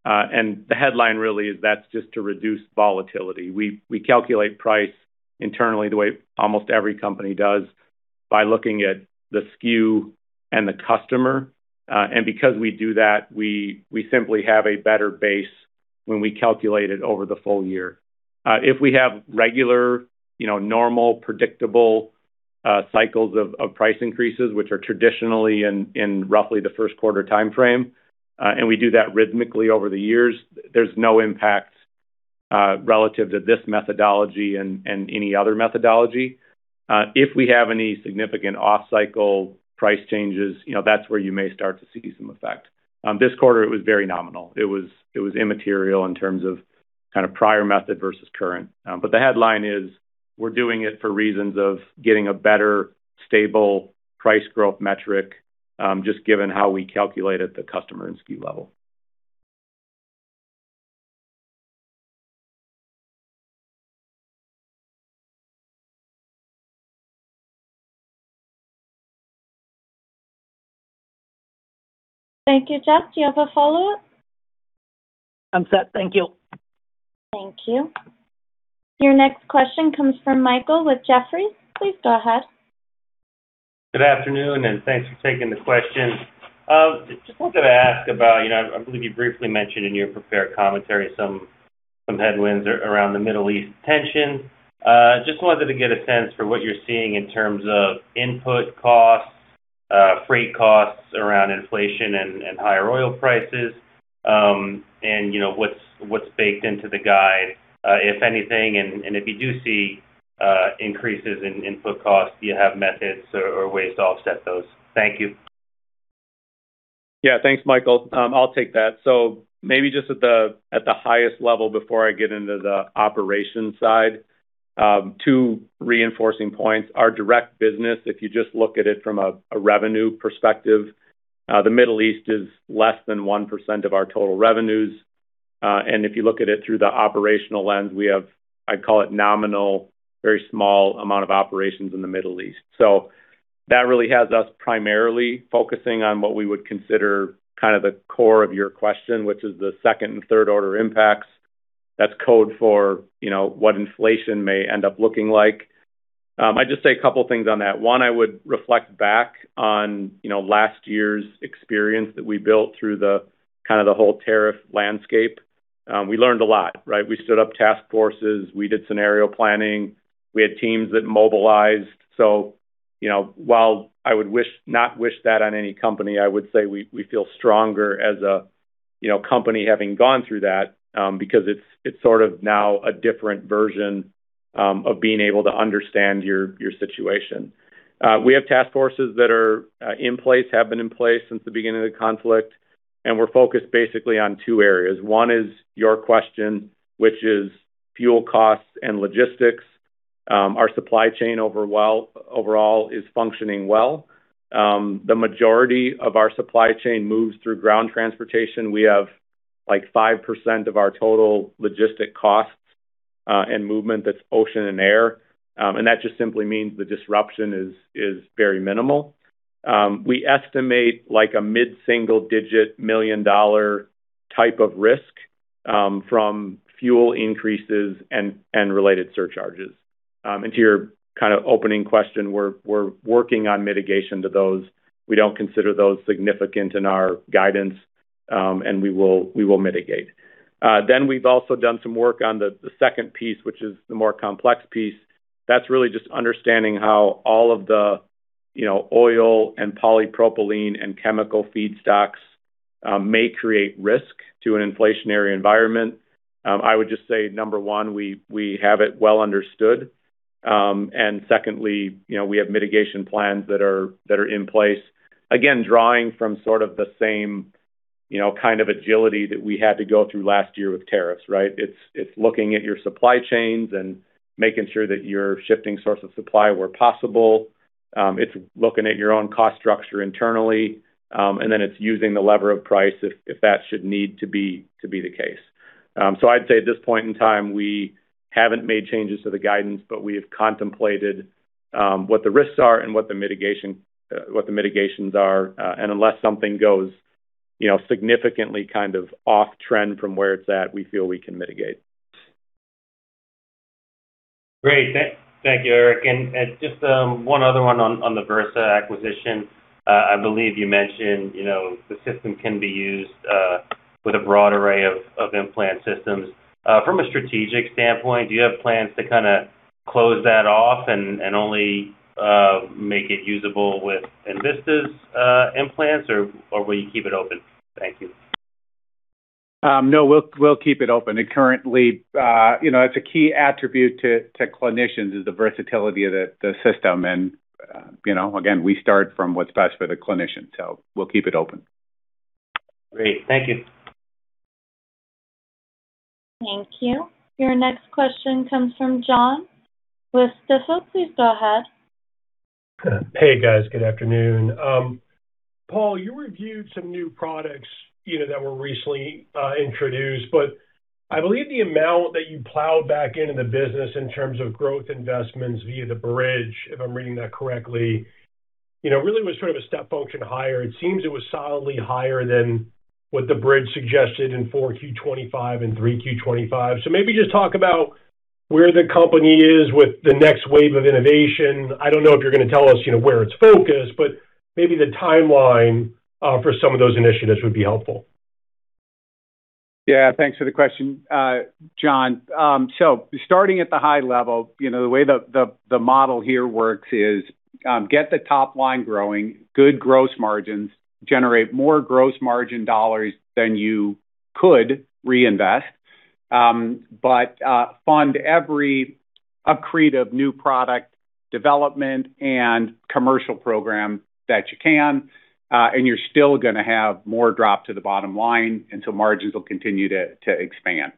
The headline really is that's just to reduce volatility. We calculate price internally the way almost every company does by looking at the SKU and the customer. Because we do that, we simply have a better base when we calculate it over the full year. If we have regular, you know, normal, predictable cycles of price increases, which are traditionally in roughly the 1st quarter timeframe, and we do that rhythmically over the years, there's no impact relative to this methodology and any other methodology. If we have any significant off-cycle price changes, you know, that's where you may start to see some effect. This quarter it was very nominal. It was immaterial in terms of kind of prior method versus current. But the headline is, we're doing it for reasons of getting a better, stable price growth metric, just given how we calculate at the customer and SKU level. Thank you, Jeff. Do you have a follow-up? I'm set. Thank you. Thank you. Your next question comes from Michael with Jefferies. Please go ahead. Good afternoon, and thanks for taking the question. Just wanted to ask about, you know, I believe you briefly mentioned in your prepared commentary some headwinds around the Middle East tension. Just wanted to get a sense for what you're seeing in terms of input costs, freight costs around inflation and higher oil prices. You know, what's baked into the guide, if anything. If you do see increases in input costs, do you have methods or ways to offset those? Thank you. Thanks, Michael. I'll take that. Maybe just at the highest level before I get into the operations side. Two reinforcing points. Our direct business, if you just look at it from a revenue perspective, the Middle East is less than 1% of our total revenues. If you look at it through the operational lens, we have, I'd call it nominal, very small amount of operations in the Middle East. That really has us primarily focusing on what we would consider kind of the core of your question, which is the second and third order impacts. That's code for, you know, what inflation may end up looking like. I'd just say a couple things on that. One, I would reflect back on, you know, last year's experience that we built through the kind of the whole tariff landscape. We learned a lot, right? We stood up task forces. We did scenario planning. We had teams that mobilized. You know, while I would not wish that on any company, I would say we feel stronger as a, you know, company having gone through that, because it's sort of now a different version of being able to understand your situation. We have task forces that are in place, have been in place since the beginning of the conflict, and we're focused basically on 2 areas. One is your question, which is fuel costs and logistics. Our supply chain overall is functioning well. The majority of our supply chain moves through ground transportation. We have, like, 5% of our total logistic costs and movement that's ocean and air. That just simply means the disruption is very minimal. We estimate, like, a mid-single-digit million-dollar type of risk from fuel increases and related surcharges. To your kind of opening question, we're working on mitigation to those. We don't consider those significant in our guidance, we will mitigate. We've also done some work on the second piece, which is the more complex piece. That's really just understanding how all of the, you know, oil and polypropylene and chemical feedstocks may create risk to an inflationary environment. I would just say, number 1, we have it well understood. Secondly, you know, we have mitigation plans that are in place. Drawing from sort of the same, you know, kind of agility that we had to go through last year with tariffs, right? It's looking at your supply chains and making sure that you're shifting source of supply where possible. It's looking at your own cost structure internally, and then it's using the lever of price if that should need to be the case. I'd say at this point in time, we haven't made changes to the guidance, but we have contemplated what the risks are and what the mitigations are. Unless something goes, you know, significantly kind of off-trend from where it's at, we feel we can mitigate. Great. Thank you, Eric. Just, one other one on the Versah acquisition. I believe you mentioned, you know, the system can be used with a broad array of implant systems. From a strategic standpoint, do you have plans to kinda close that off and only make it usable with Envista's implants, or will you keep it open? Thank you. No, we'll keep it open. You know, it's a key attribute to clinicians is the versatility of the system. You know, again, we start from what's best for the clinician, so we'll keep it open. Great. Thank you. Thank you. Your next question comes from Jonathan Block. Please go ahead. Hey, guys. Good afternoon. Paul, you reviewed some new products, you know, that were recently introduced, I believe the amount that you plowed back into the business in terms of growth investments via the bridge, if I'm reading that correctly, you know, really was sort of a step function higher. It seems it was solidly higher than what the bridge suggested in 4Q 2025 and 3Q 2025. Maybe just talk about where the company is with the next wave of innovation. I don't know if you're gonna tell us, you know, where it's focused, but maybe the timeline for some of those initiatives would be helpful. Yeah. Thanks for the question, Jonathan. Starting at the high level, you know, the way the, the model here works is, get the top line growing, good gross margins, generate more gross margin dollars than you could reinvest, fund every accretive new product development and commercial program that you can, you're still gonna have more drop to the bottom line, margins will continue to expand.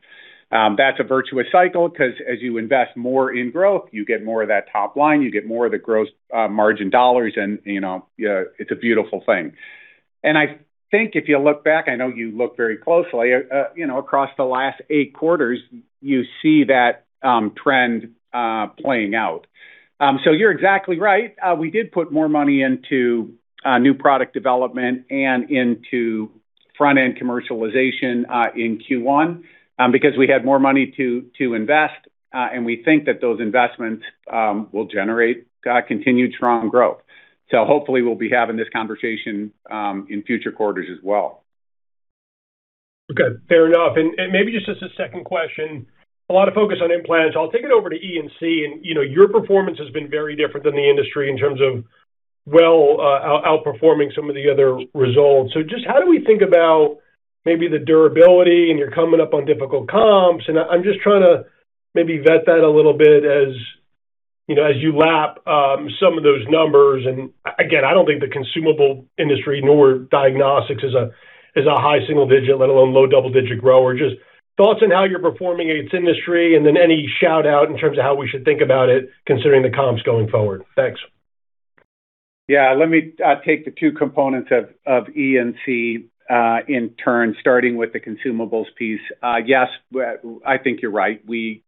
That's a virtuous cycle 'cause as you invest more in growth, you get more of that top line, you get more of the gross margin dollars and, you know, it's a beautiful thing. I think if you look back, I know you look very closely, you know, across the last 8 quarters, you see that trend playing out. You're exactly right. We did put more money into new product development and into front-end commercialization in Q1, because we had more money to invest, and we think that those investments will generate continued strong growth. Hopefully, we'll be having this conversation in future quarters as well. Okay. Fair enough. Maybe just as a second question, a lot of focus on implants. I'll take it over to E&C. You know, your performance has been very different than the industry in terms of well, outperforming some of the other results. Just how do we think about maybe the durability, and you're coming up on difficult comps? I'm just trying to maybe vet that a little bit. You know, as you lap some of those numbers, again, I don't think the consumable industry, nor diagnostics is a high single-digit, let alone low double-digit grower. Just thoughts on how you're performing its industry, and then any shout-out in terms of how we should think about it considering the comps going forward. Thanks. Let me take the two components of E&C in turn, starting with the consumables piece. Yes, I think you're right. We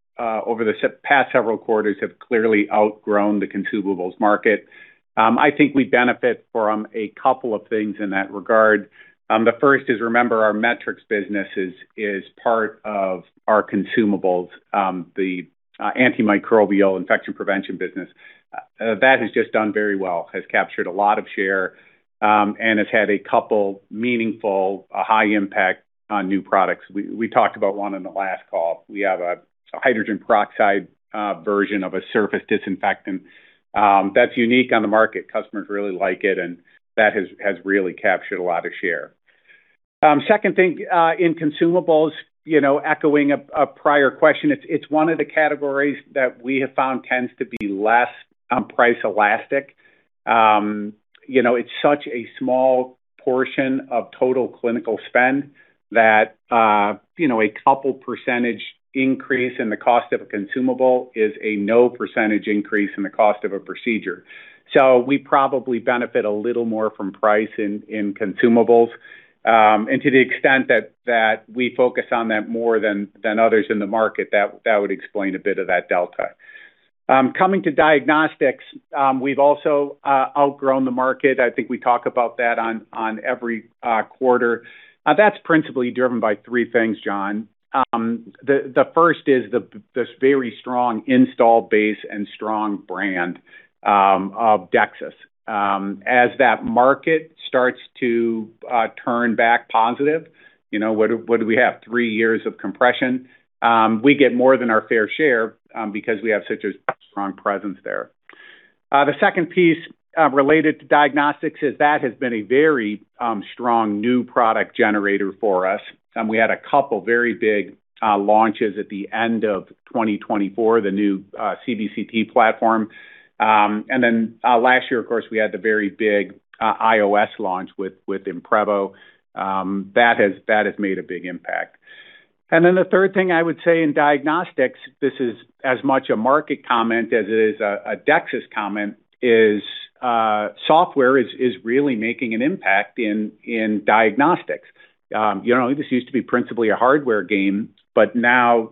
over the past several quarters have clearly outgrown the consumables market. I think we benefit from a couple of things in that regard. The first is, remember, our metrics business is part of our consumables, the antimicrobial infection prevention business. That has just done very well, has captured a lot of share, and has had a couple meaningful, high impact on new products. We talked about one in the last call. We have a hydrogen peroxide version of a surface disinfectant that's unique on the market. Customers really like it. That has really captured a lot of share. Second thing, in consumables, echoing a prior question, it's one of the categories that we have found tends to be less on price elastic. It's such a small portion of total clinical spend that a couple percentage increase in the cost of a consumable is a no percentage increase in the cost of a procedure. We probably benefit a little more from price in consumables. To the extent that we focus on that more than others in the market, that would explain a bit of that delta. Coming to diagnostics, we've also outgrown the market. I think we talk about that on every quarter. That's principally driven by three things, John. The first is this very strong install base and strong brand of DEXIS. As that market starts to turn back positive, you know, what do we have? Three years of compression? We get more than our fair share, because we have such a strong presence there. The second piece, related to diagnostics is that has been a very strong new product generator for us. We had a couple very big launches at the end of 2024, the new CBCT platform. And then, last year, of course, we had the very big IOS launch with Imprevo. That has made a big impact. The third thing I would say in diagnostics, this is as much a market comment as it is a DEXIS comment, is software is really making an impact in diagnostics. You know, this used to be principally a hardware game, but now,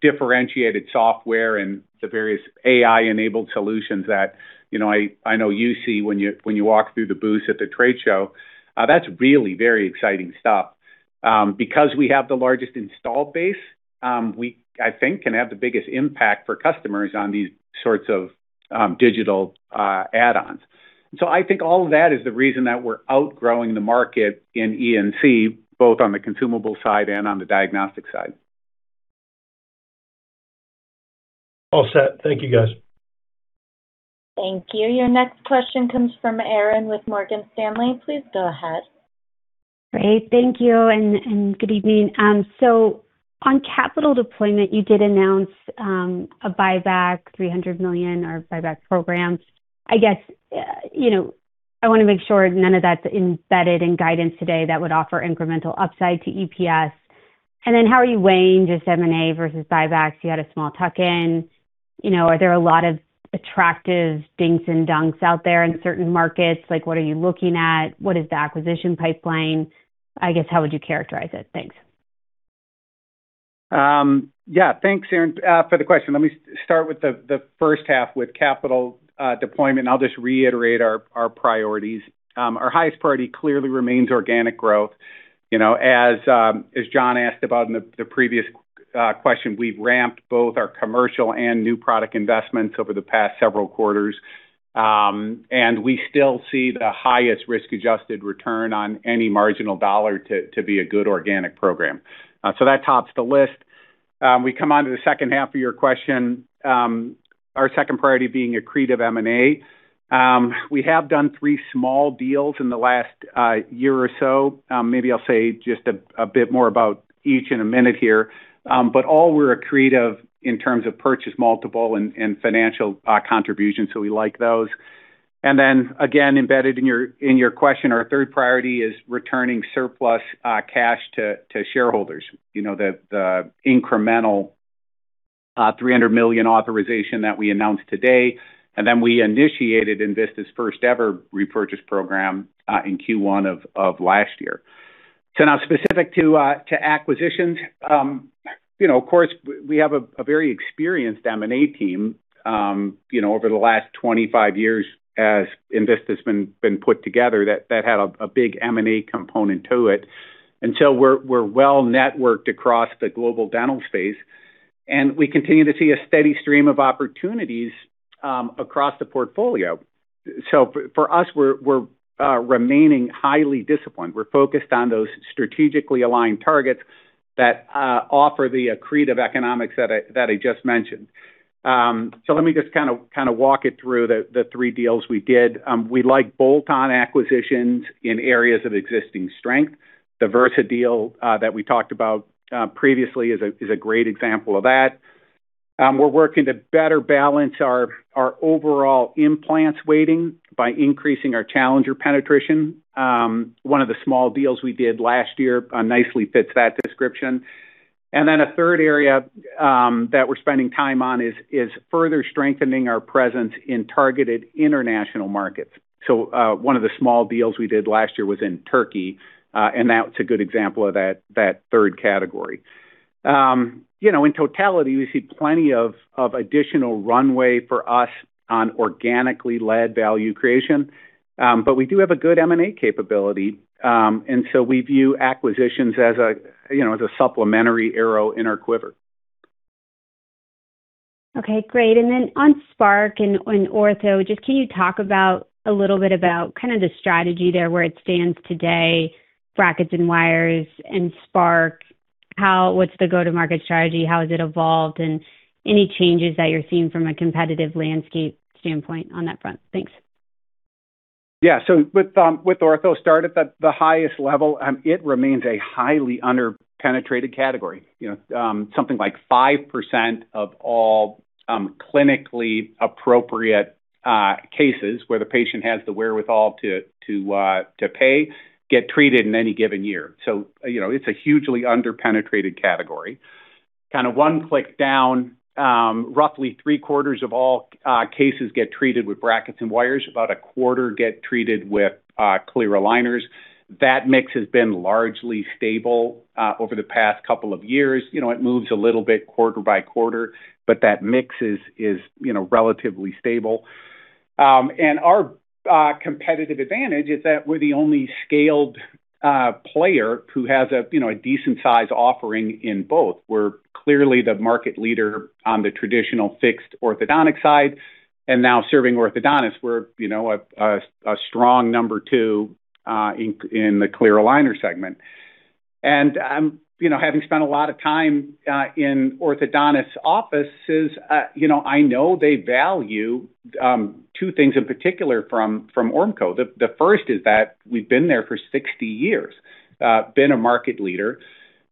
differentiated software and the various AI-enabled solutions that, you know, I know you see when you walk through the booth at the trade show, that's really very exciting stuff. Because we have the largest installed base, we, I think, can have the biggest impact for customers on these sorts of digital add-ons. I think all of that is the reason that we're outgrowing the market in E&C, both on the consumable side and on the diagnostic side. All set. Thank you, guys. Thank you. Your next question comes from Erin with Morgan Stanley. Please go ahead. Great. Thank you and good evening. On capital deployment, you did announce a buyback, $300 million or buyback program. I guess, you know, I want to make sure none of that's embedded in guidance today that would offer incremental upside to EPS. How are you weighing just M&A versus buybacks? You had a small tuck in. You know, are there a lot of attractive dinks and dunks out there in certain markets? What are you looking at? What is the acquisition pipeline? I guess, how would you characterize it? Thanks. Yeah. Thanks, Erin, for the question. Let me start with the first half with capital deployment, and I'll just reiterate our priorities. Our highest priority clearly remains organic growth. You know, as Jonathan asked about in the previous question, we've ramped both our commercial and new product investments over the past several quarters. We still see the highest risk-adjusted return on any marginal dollar to be a good organic program. That tops the list. We come onto the second half of your question, our second priority being accretive M&A. We have done 3 small deals in the last year or so. Maybe I'll say just a bit more about each in a minute here. But all were accretive in terms of purchase multiple and financial contributions. We like those. Again, embedded in your question, our third priority is returning surplus cash to shareholders. You know, the incremental $300 million authorization that we announced today, and then we initiated Envista's first-ever repurchase program in Q1 of last year. Now specific to acquisitions, you know, of course, we have a very experienced M&A team. You know, over the last 25 years as Envista's been put together, that had a big M&A component to it. We're well networked across the global dental space, and we continue to see a steady stream of opportunities across the portfolio. For us, we're remaining highly disciplined. We're focused on those strategically aligned targets that offer the accretive economics that I just mentioned. Let me just kinda walk it through the three deals we did. We like bolt-on acquisitions in areas of existing strength. The Versah deal that we talked about previously is a great example of that. We're working to better balance our overall implants weighting by increasing our challenger penetration. One of the small deals we did last year nicely fits that description. A third area that we're spending time on is further strengthening our presence in targeted international markets. One of the small deals we did last year was in Turkey, and that's a good example of that third category. You know, in totality, we see plenty of additional runway for us on organically led value creation. We do have a good M&A capability. We view acquisitions as a, you know, as a supplementary arrow in our quiver. Okay, great. Then on Spark and Ortho, just can you talk a little bit about kind of the strategy there, where it stands today, brackets and wires and Spark? What's the go-to-market strategy? How has it evolved? Any changes that you're seeing from a competitive landscape standpoint on that front? Thanks. Yeah. With Ortho, start at the highest level, it remains a highly under-penetrated category. You know, something like 5% of all clinically appropriate cases where the patient has the wherewithal to pay, get treated in any given year. You know, it's a hugely under-penetrated category. Kinda one click down, roughly 3/4 of all cases get treated with brackets and wires, about 1/4 get treated with clear aligners. That mix has been largely stable over the past couple of years. You know, it moves a little bit quarter by quarter, but that mix is, you know, relatively stable. Our competitive advantage is that we're the only scaled player who has a, you know, a decent size offering in both. We're clearly the market leader on the traditional fixed orthodontic side and now serving orthodontists. We're, you know, a strong number 2 in the clear aligner segment. You know, having spent a lot of time in orthodontists' offices, you know, I know they value 2 things in particular from Ormco. The first is that we've been there for 60 years, been a market leader.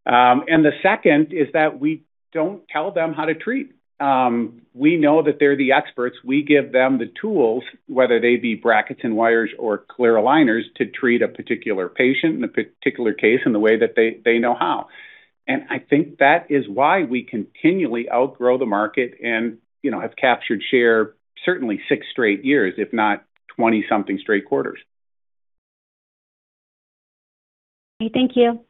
The second is that we don't tell them how to treat. We know that they're the experts. We give them the tools, whether they be brackets and wires or clear aligners, to treat a particular patient in a particular case in the way that they know how. I think that is why we continually outgrow the market and, you know, have captured share certainly 6 straight years, if not 20-something straight quarters. Thank you.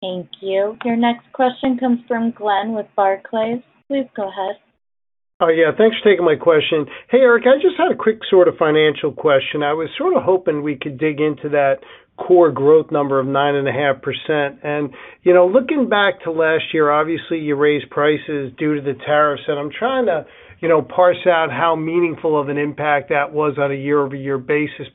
Thank you. Your next question comes from Glenn with Barclays. Please go ahead. Oh, yeah. Thanks for taking my question. Hey, Eric, I just had a quick sort of financial question. I was sort of hoping we could dig into that core growth number of 9.5%. You know, looking back to last year, obviously, you raised prices due to the tariffs, and I'm trying to, you know, parse out how meaningful of an impact that was on a year-over-year basis.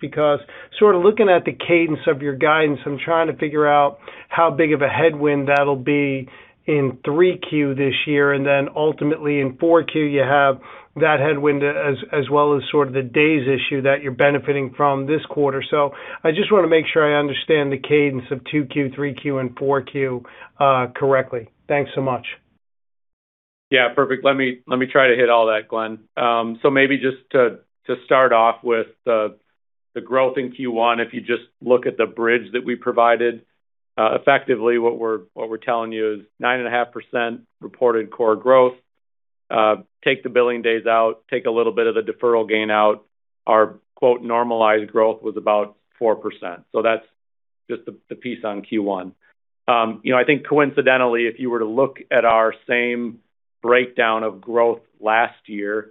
Sort of looking at the cadence of your guidance, I'm trying to figure out how big of a headwind that'll be in 3Q this year. Ultimately in 4Q, you have that headwind as well as sort of the days issue that you're benefiting from this quarter. I just wanna make sure I understand the cadence of 2Q, 3Q, and 4Q correctly. Thanks so much. Yeah, perfect. Let me try to hit all that, Glenn. Maybe just to start off with the growth in Q1, if you just look at the bridge that we provided, effectively what we're telling you is 9.5% reported core growth. Take the billing days out, take a little bit of the deferral gain out. Our quote, normalized growth, was about 4%. That's just the piece on Q1. You know, I think coincidentally, if you were to look at our same breakdown of growth last year,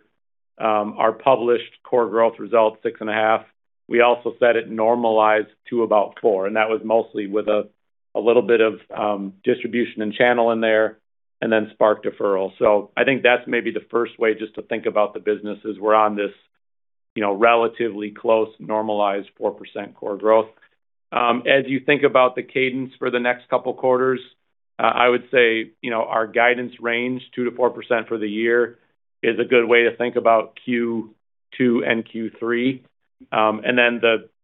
our published core growth result, 6.5, we also said it normalized to about 4, that was mostly with a little bit of distribution and channel in there and then Spark deferral. I think that's maybe the first way just to think about the business is we're on this, you know, relatively close normalized 4% core growth. As you think about the cadence for the next couple quarters, I would say, you know, our guidance range, 2%-4% for the year, is a good way to think about Q2 and Q3.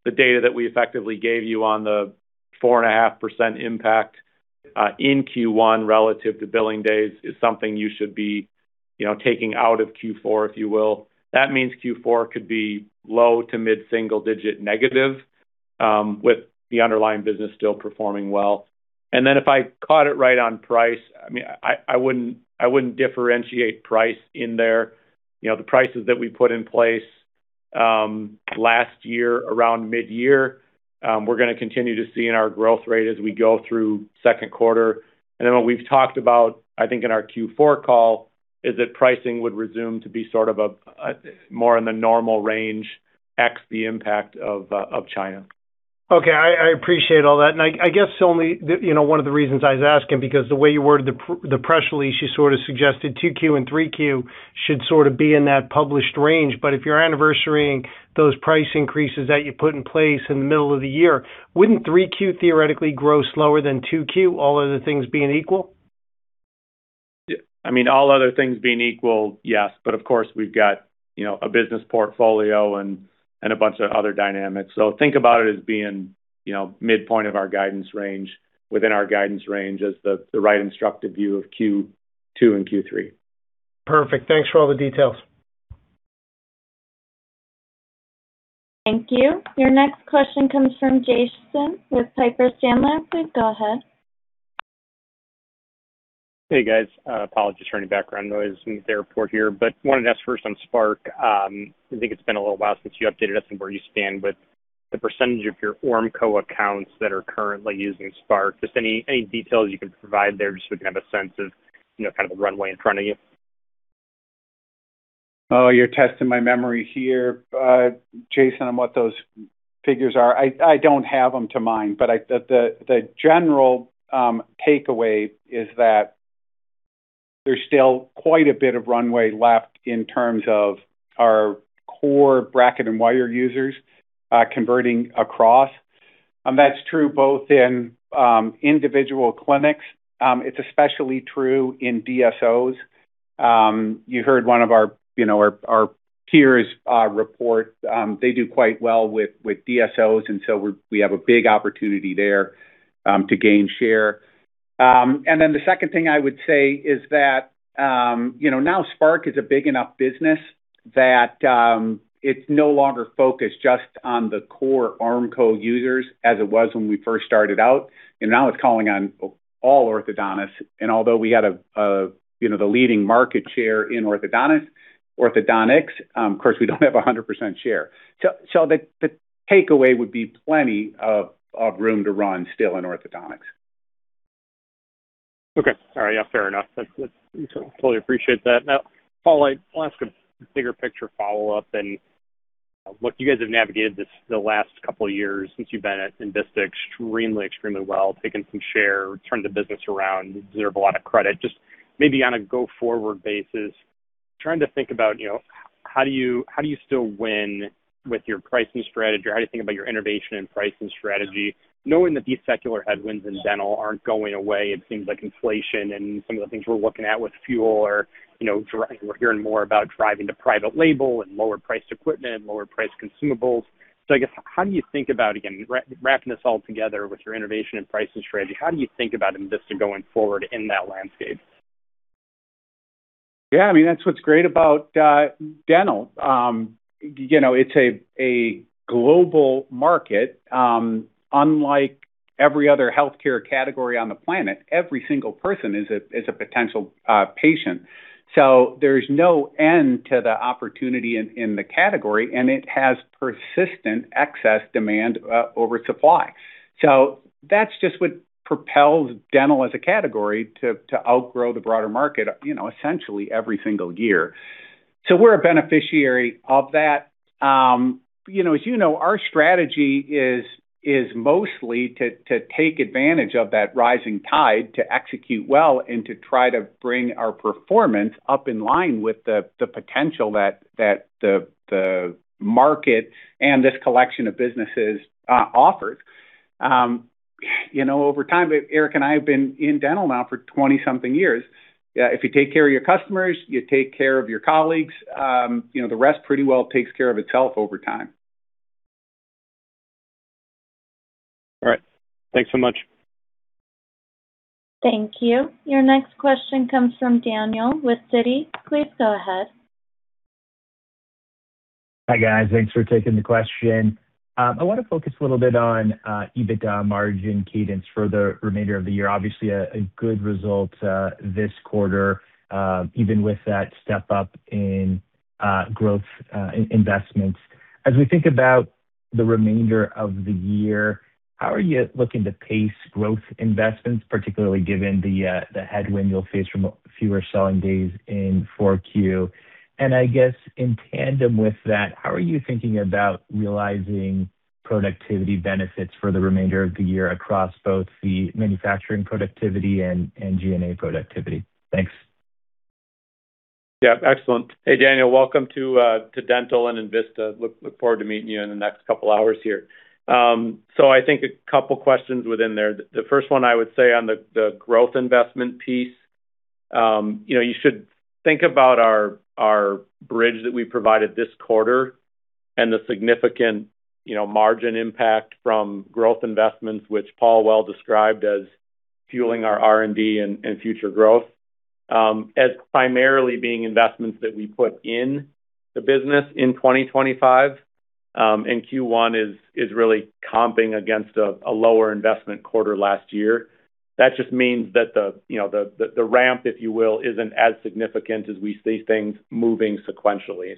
The data that we effectively gave you on the 4.5% impact in Q1 relative to billing days is something you should be, you know, taking out of Q4, if you will. That means Q4 could be low to mid-single digit negative, with the underlying business still performing well. If I caught it right on price, I mean, I wouldn't differentiate price in there. You know, the prices that we put in place, last year around mid-year, we're gonna continue to see in our growth rate as we go through second quarter. Then what we've talked about, I think in our Q4 call, is that pricing would resume to be sort of, more in the normal range x the impact of China. Okay. I appreciate all that. I guess only, you know, one of the reasons I was asking, because the way you worded the press release, you sort of suggested 2Q and 3Q should sort of be in that published range. If you're anniversarying those price increases that you put in place in the middle of the year, wouldn't 3Q theoretically grow slower than 2Q, all other things being equal? I mean, all other things being equal, yes. Of course, we've got, you know, a business portfolio and a bunch of other dynamics. Think about it as being, you know, midpoint of our guidance range, within our guidance range as the right instructive view of Q2 and Q3. Perfect. Thanks for all the details. Thank you. Your next question comes from Jason with Piper Sandler. Please go ahead. Hey, guys. Apologies for any background noise. I'm at the airport here. Wanted to ask first on Spark. I think it's been a little while since you updated us on where you stand with the percentage of your Ormco accounts that are currently using Spark. Just any details you can provide there just so we can have a sense of, you know, kind of the runway in front of you. You're testing my memory here, Jason, on what those figures are. I don't have them to mind, but the general takeaway is that there's still quite a bit of runway left in terms of our core bracket and wire users converting across. That's true both in individual clinics. It's especially true in DSOs. You heard one of our, you know, our peers report, they do quite well with DSOs, so we have a big opportunity there to gain share. The second thing I would say is that, you know, now Spark is a big enough business that it's no longer focused just on the core Ormco users as it was when we first started out. Now it's calling on all orthodontists. Although we had a, you know, the leading market share in orthodontics, of course we don't have 100% share. The takeaway would be plenty of room to run still in orthodontics. Okay. All right. Yeah, fair enough. That's Totally appreciate that. Paul, I'll ask a bigger picture follow-up. Look, you guys have navigated this, the last couple of years since you've been at Envista extremely well, taken some share, turned the business around, you deserve a lot of credit. Maybe on a go-forward basis, trying to think about, you know, how do you still win with your pricing strategy? How do you think about your innovation and pricing strategy knowing that these secular headwinds in dental aren't going away? It seems like inflation and some of the things we're looking at with fuel are, you know, We're hearing more about driving to private label and lower priced equipment, lower priced consumables. I guess, how do you think about, again, wrapping this all together with your innovation and pricing strategy, how do you think about Envista going forward in that landscape? Yeah, I mean, that's what's great about dental. You know, it's a global market. Unlike every other healthcare category on the planet, every single person is a potential patient. There's no end to the opportunity in the category, and it has persistent excess demand over supply. That's just what propels dental as a category to outgrow the broader market, you know, essentially every single year. We're a beneficiary of that. You know, as you know, our strategy is mostly to take advantage of that rising tide to execute well and to try to bring our performance up in line with the potential that the market and this collection of businesses offers. You know, over time, Eric and I have been in dental now for 20-something years. If you take care of your customers, you take care of your colleagues, you know, the rest pretty well takes care of itself over time. All right. Thanks so much. Thank you. Your next question comes from Daniel with Citi. Please go ahead. Hi, guys. Thanks for taking the question. I wanna focus a little bit on EBITDA margin cadence for the remainder of the year. Obviously a good result this quarter, even with that step up in growth in-investments. As we think about the remainder of the year, how are you looking to pace growth investments, particularly given the headwind you'll face from fewer selling days in 4Q? I guess in tandem with that, how are you thinking about realizing productivity benefits for the remainder of the year across both the manufacturing productivity and G&A productivity? Thanks. Yeah, excellent. Hey, Daniel, welcome to Dental and Envista. Look forward to meeting you in the next couple hours here. I think a couple questions within there. The first one I would say on the growth investment piece, you know, you should think about our bridge that we provided this quarter and the significant, you know, margin impact from growth investments, which Paul well described as fueling our R&D and future growth, as primarily being investments that we put in the business in 2025, and Q1 is really comping against a lower investment quarter last year. That just means that the, you know, the ramp, if you will, isn't as significant as we see things moving sequentially.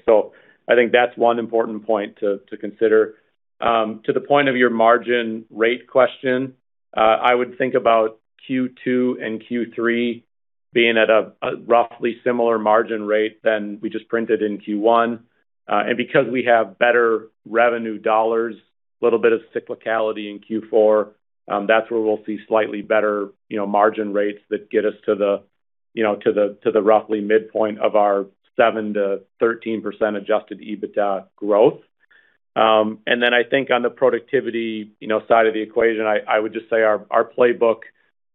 I think that's 1 important point to consider. To the point of your margin rate question, I would think about Q2 and Q3 being at a roughly similar margin rate than we just printed in Q1. Because we have better revenue dollars, little bit of cyclicality in Q4, that's where we'll see slightly better margin rates that get us to the roughly midpoint of our 7%-13% adjusted EBITDA growth. I think on the productivity side of the equation, I would just say our playbook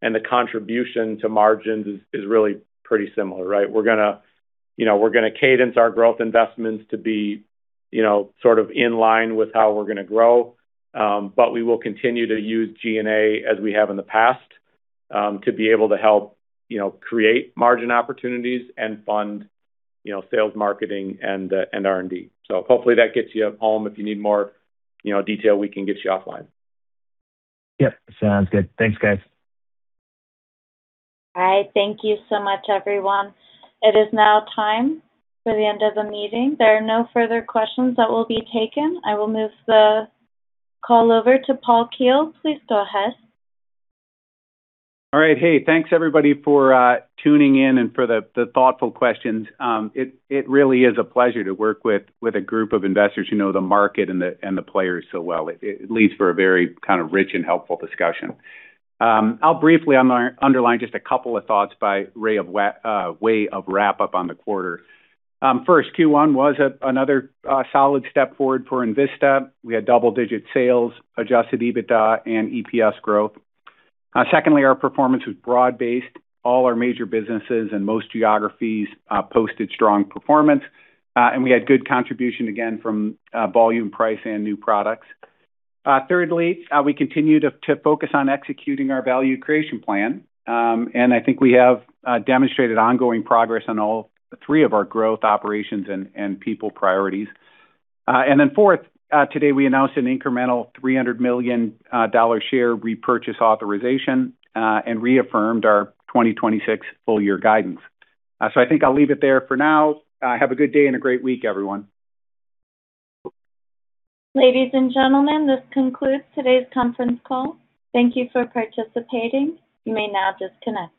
and the contribution to margins is really pretty similar, right? We're gonna cadence our growth investments to be sort of in line with how we're gonna grow. We will continue to use G&A as we have in the past, to be able to help, you know, create margin opportunities and fund, you know, sales, marketing and R&D. Hopefully that gets you home. If you need more, you know, detail, we can get you offline. Yep. Sounds good. Thanks, guys. All right. Thank you so much, everyone. It is now time for the end of the meeting. There are no further questions that will be taken. I will move the call over to Paul Keel. Please go ahead. All right. Hey, thanks, everybody, for tuning in and for the thoughtful questions. It really is a pleasure to work with a group of investors who know the market and the players so well. It leads for a very kind of rich and helpful discussion. I'll briefly underline just a couple of thoughts by way of wrap up on the quarter. First, Q1 was another solid step forward for Envista. We had double digit sales, adjusted EBITDA and EPS growth. Secondly, our performance was broad-based. All our major businesses and most geographies posted strong performance. We had good contribution again from volume, price, and new products. Thirdly, we continue to focus on executing our value creation plan. I think we have demonstrated ongoing progress on all three of our growth operations and people priorities. Fourth, today we announced an incremental $300 million dollar share repurchase authorization and reaffirmed our 2026 full year guidance. I think I'll leave it there for now. Have a good day and a great week, everyone. Ladies and gentlemen, this concludes today's conference call. Thank you for participating. You may now disconnect.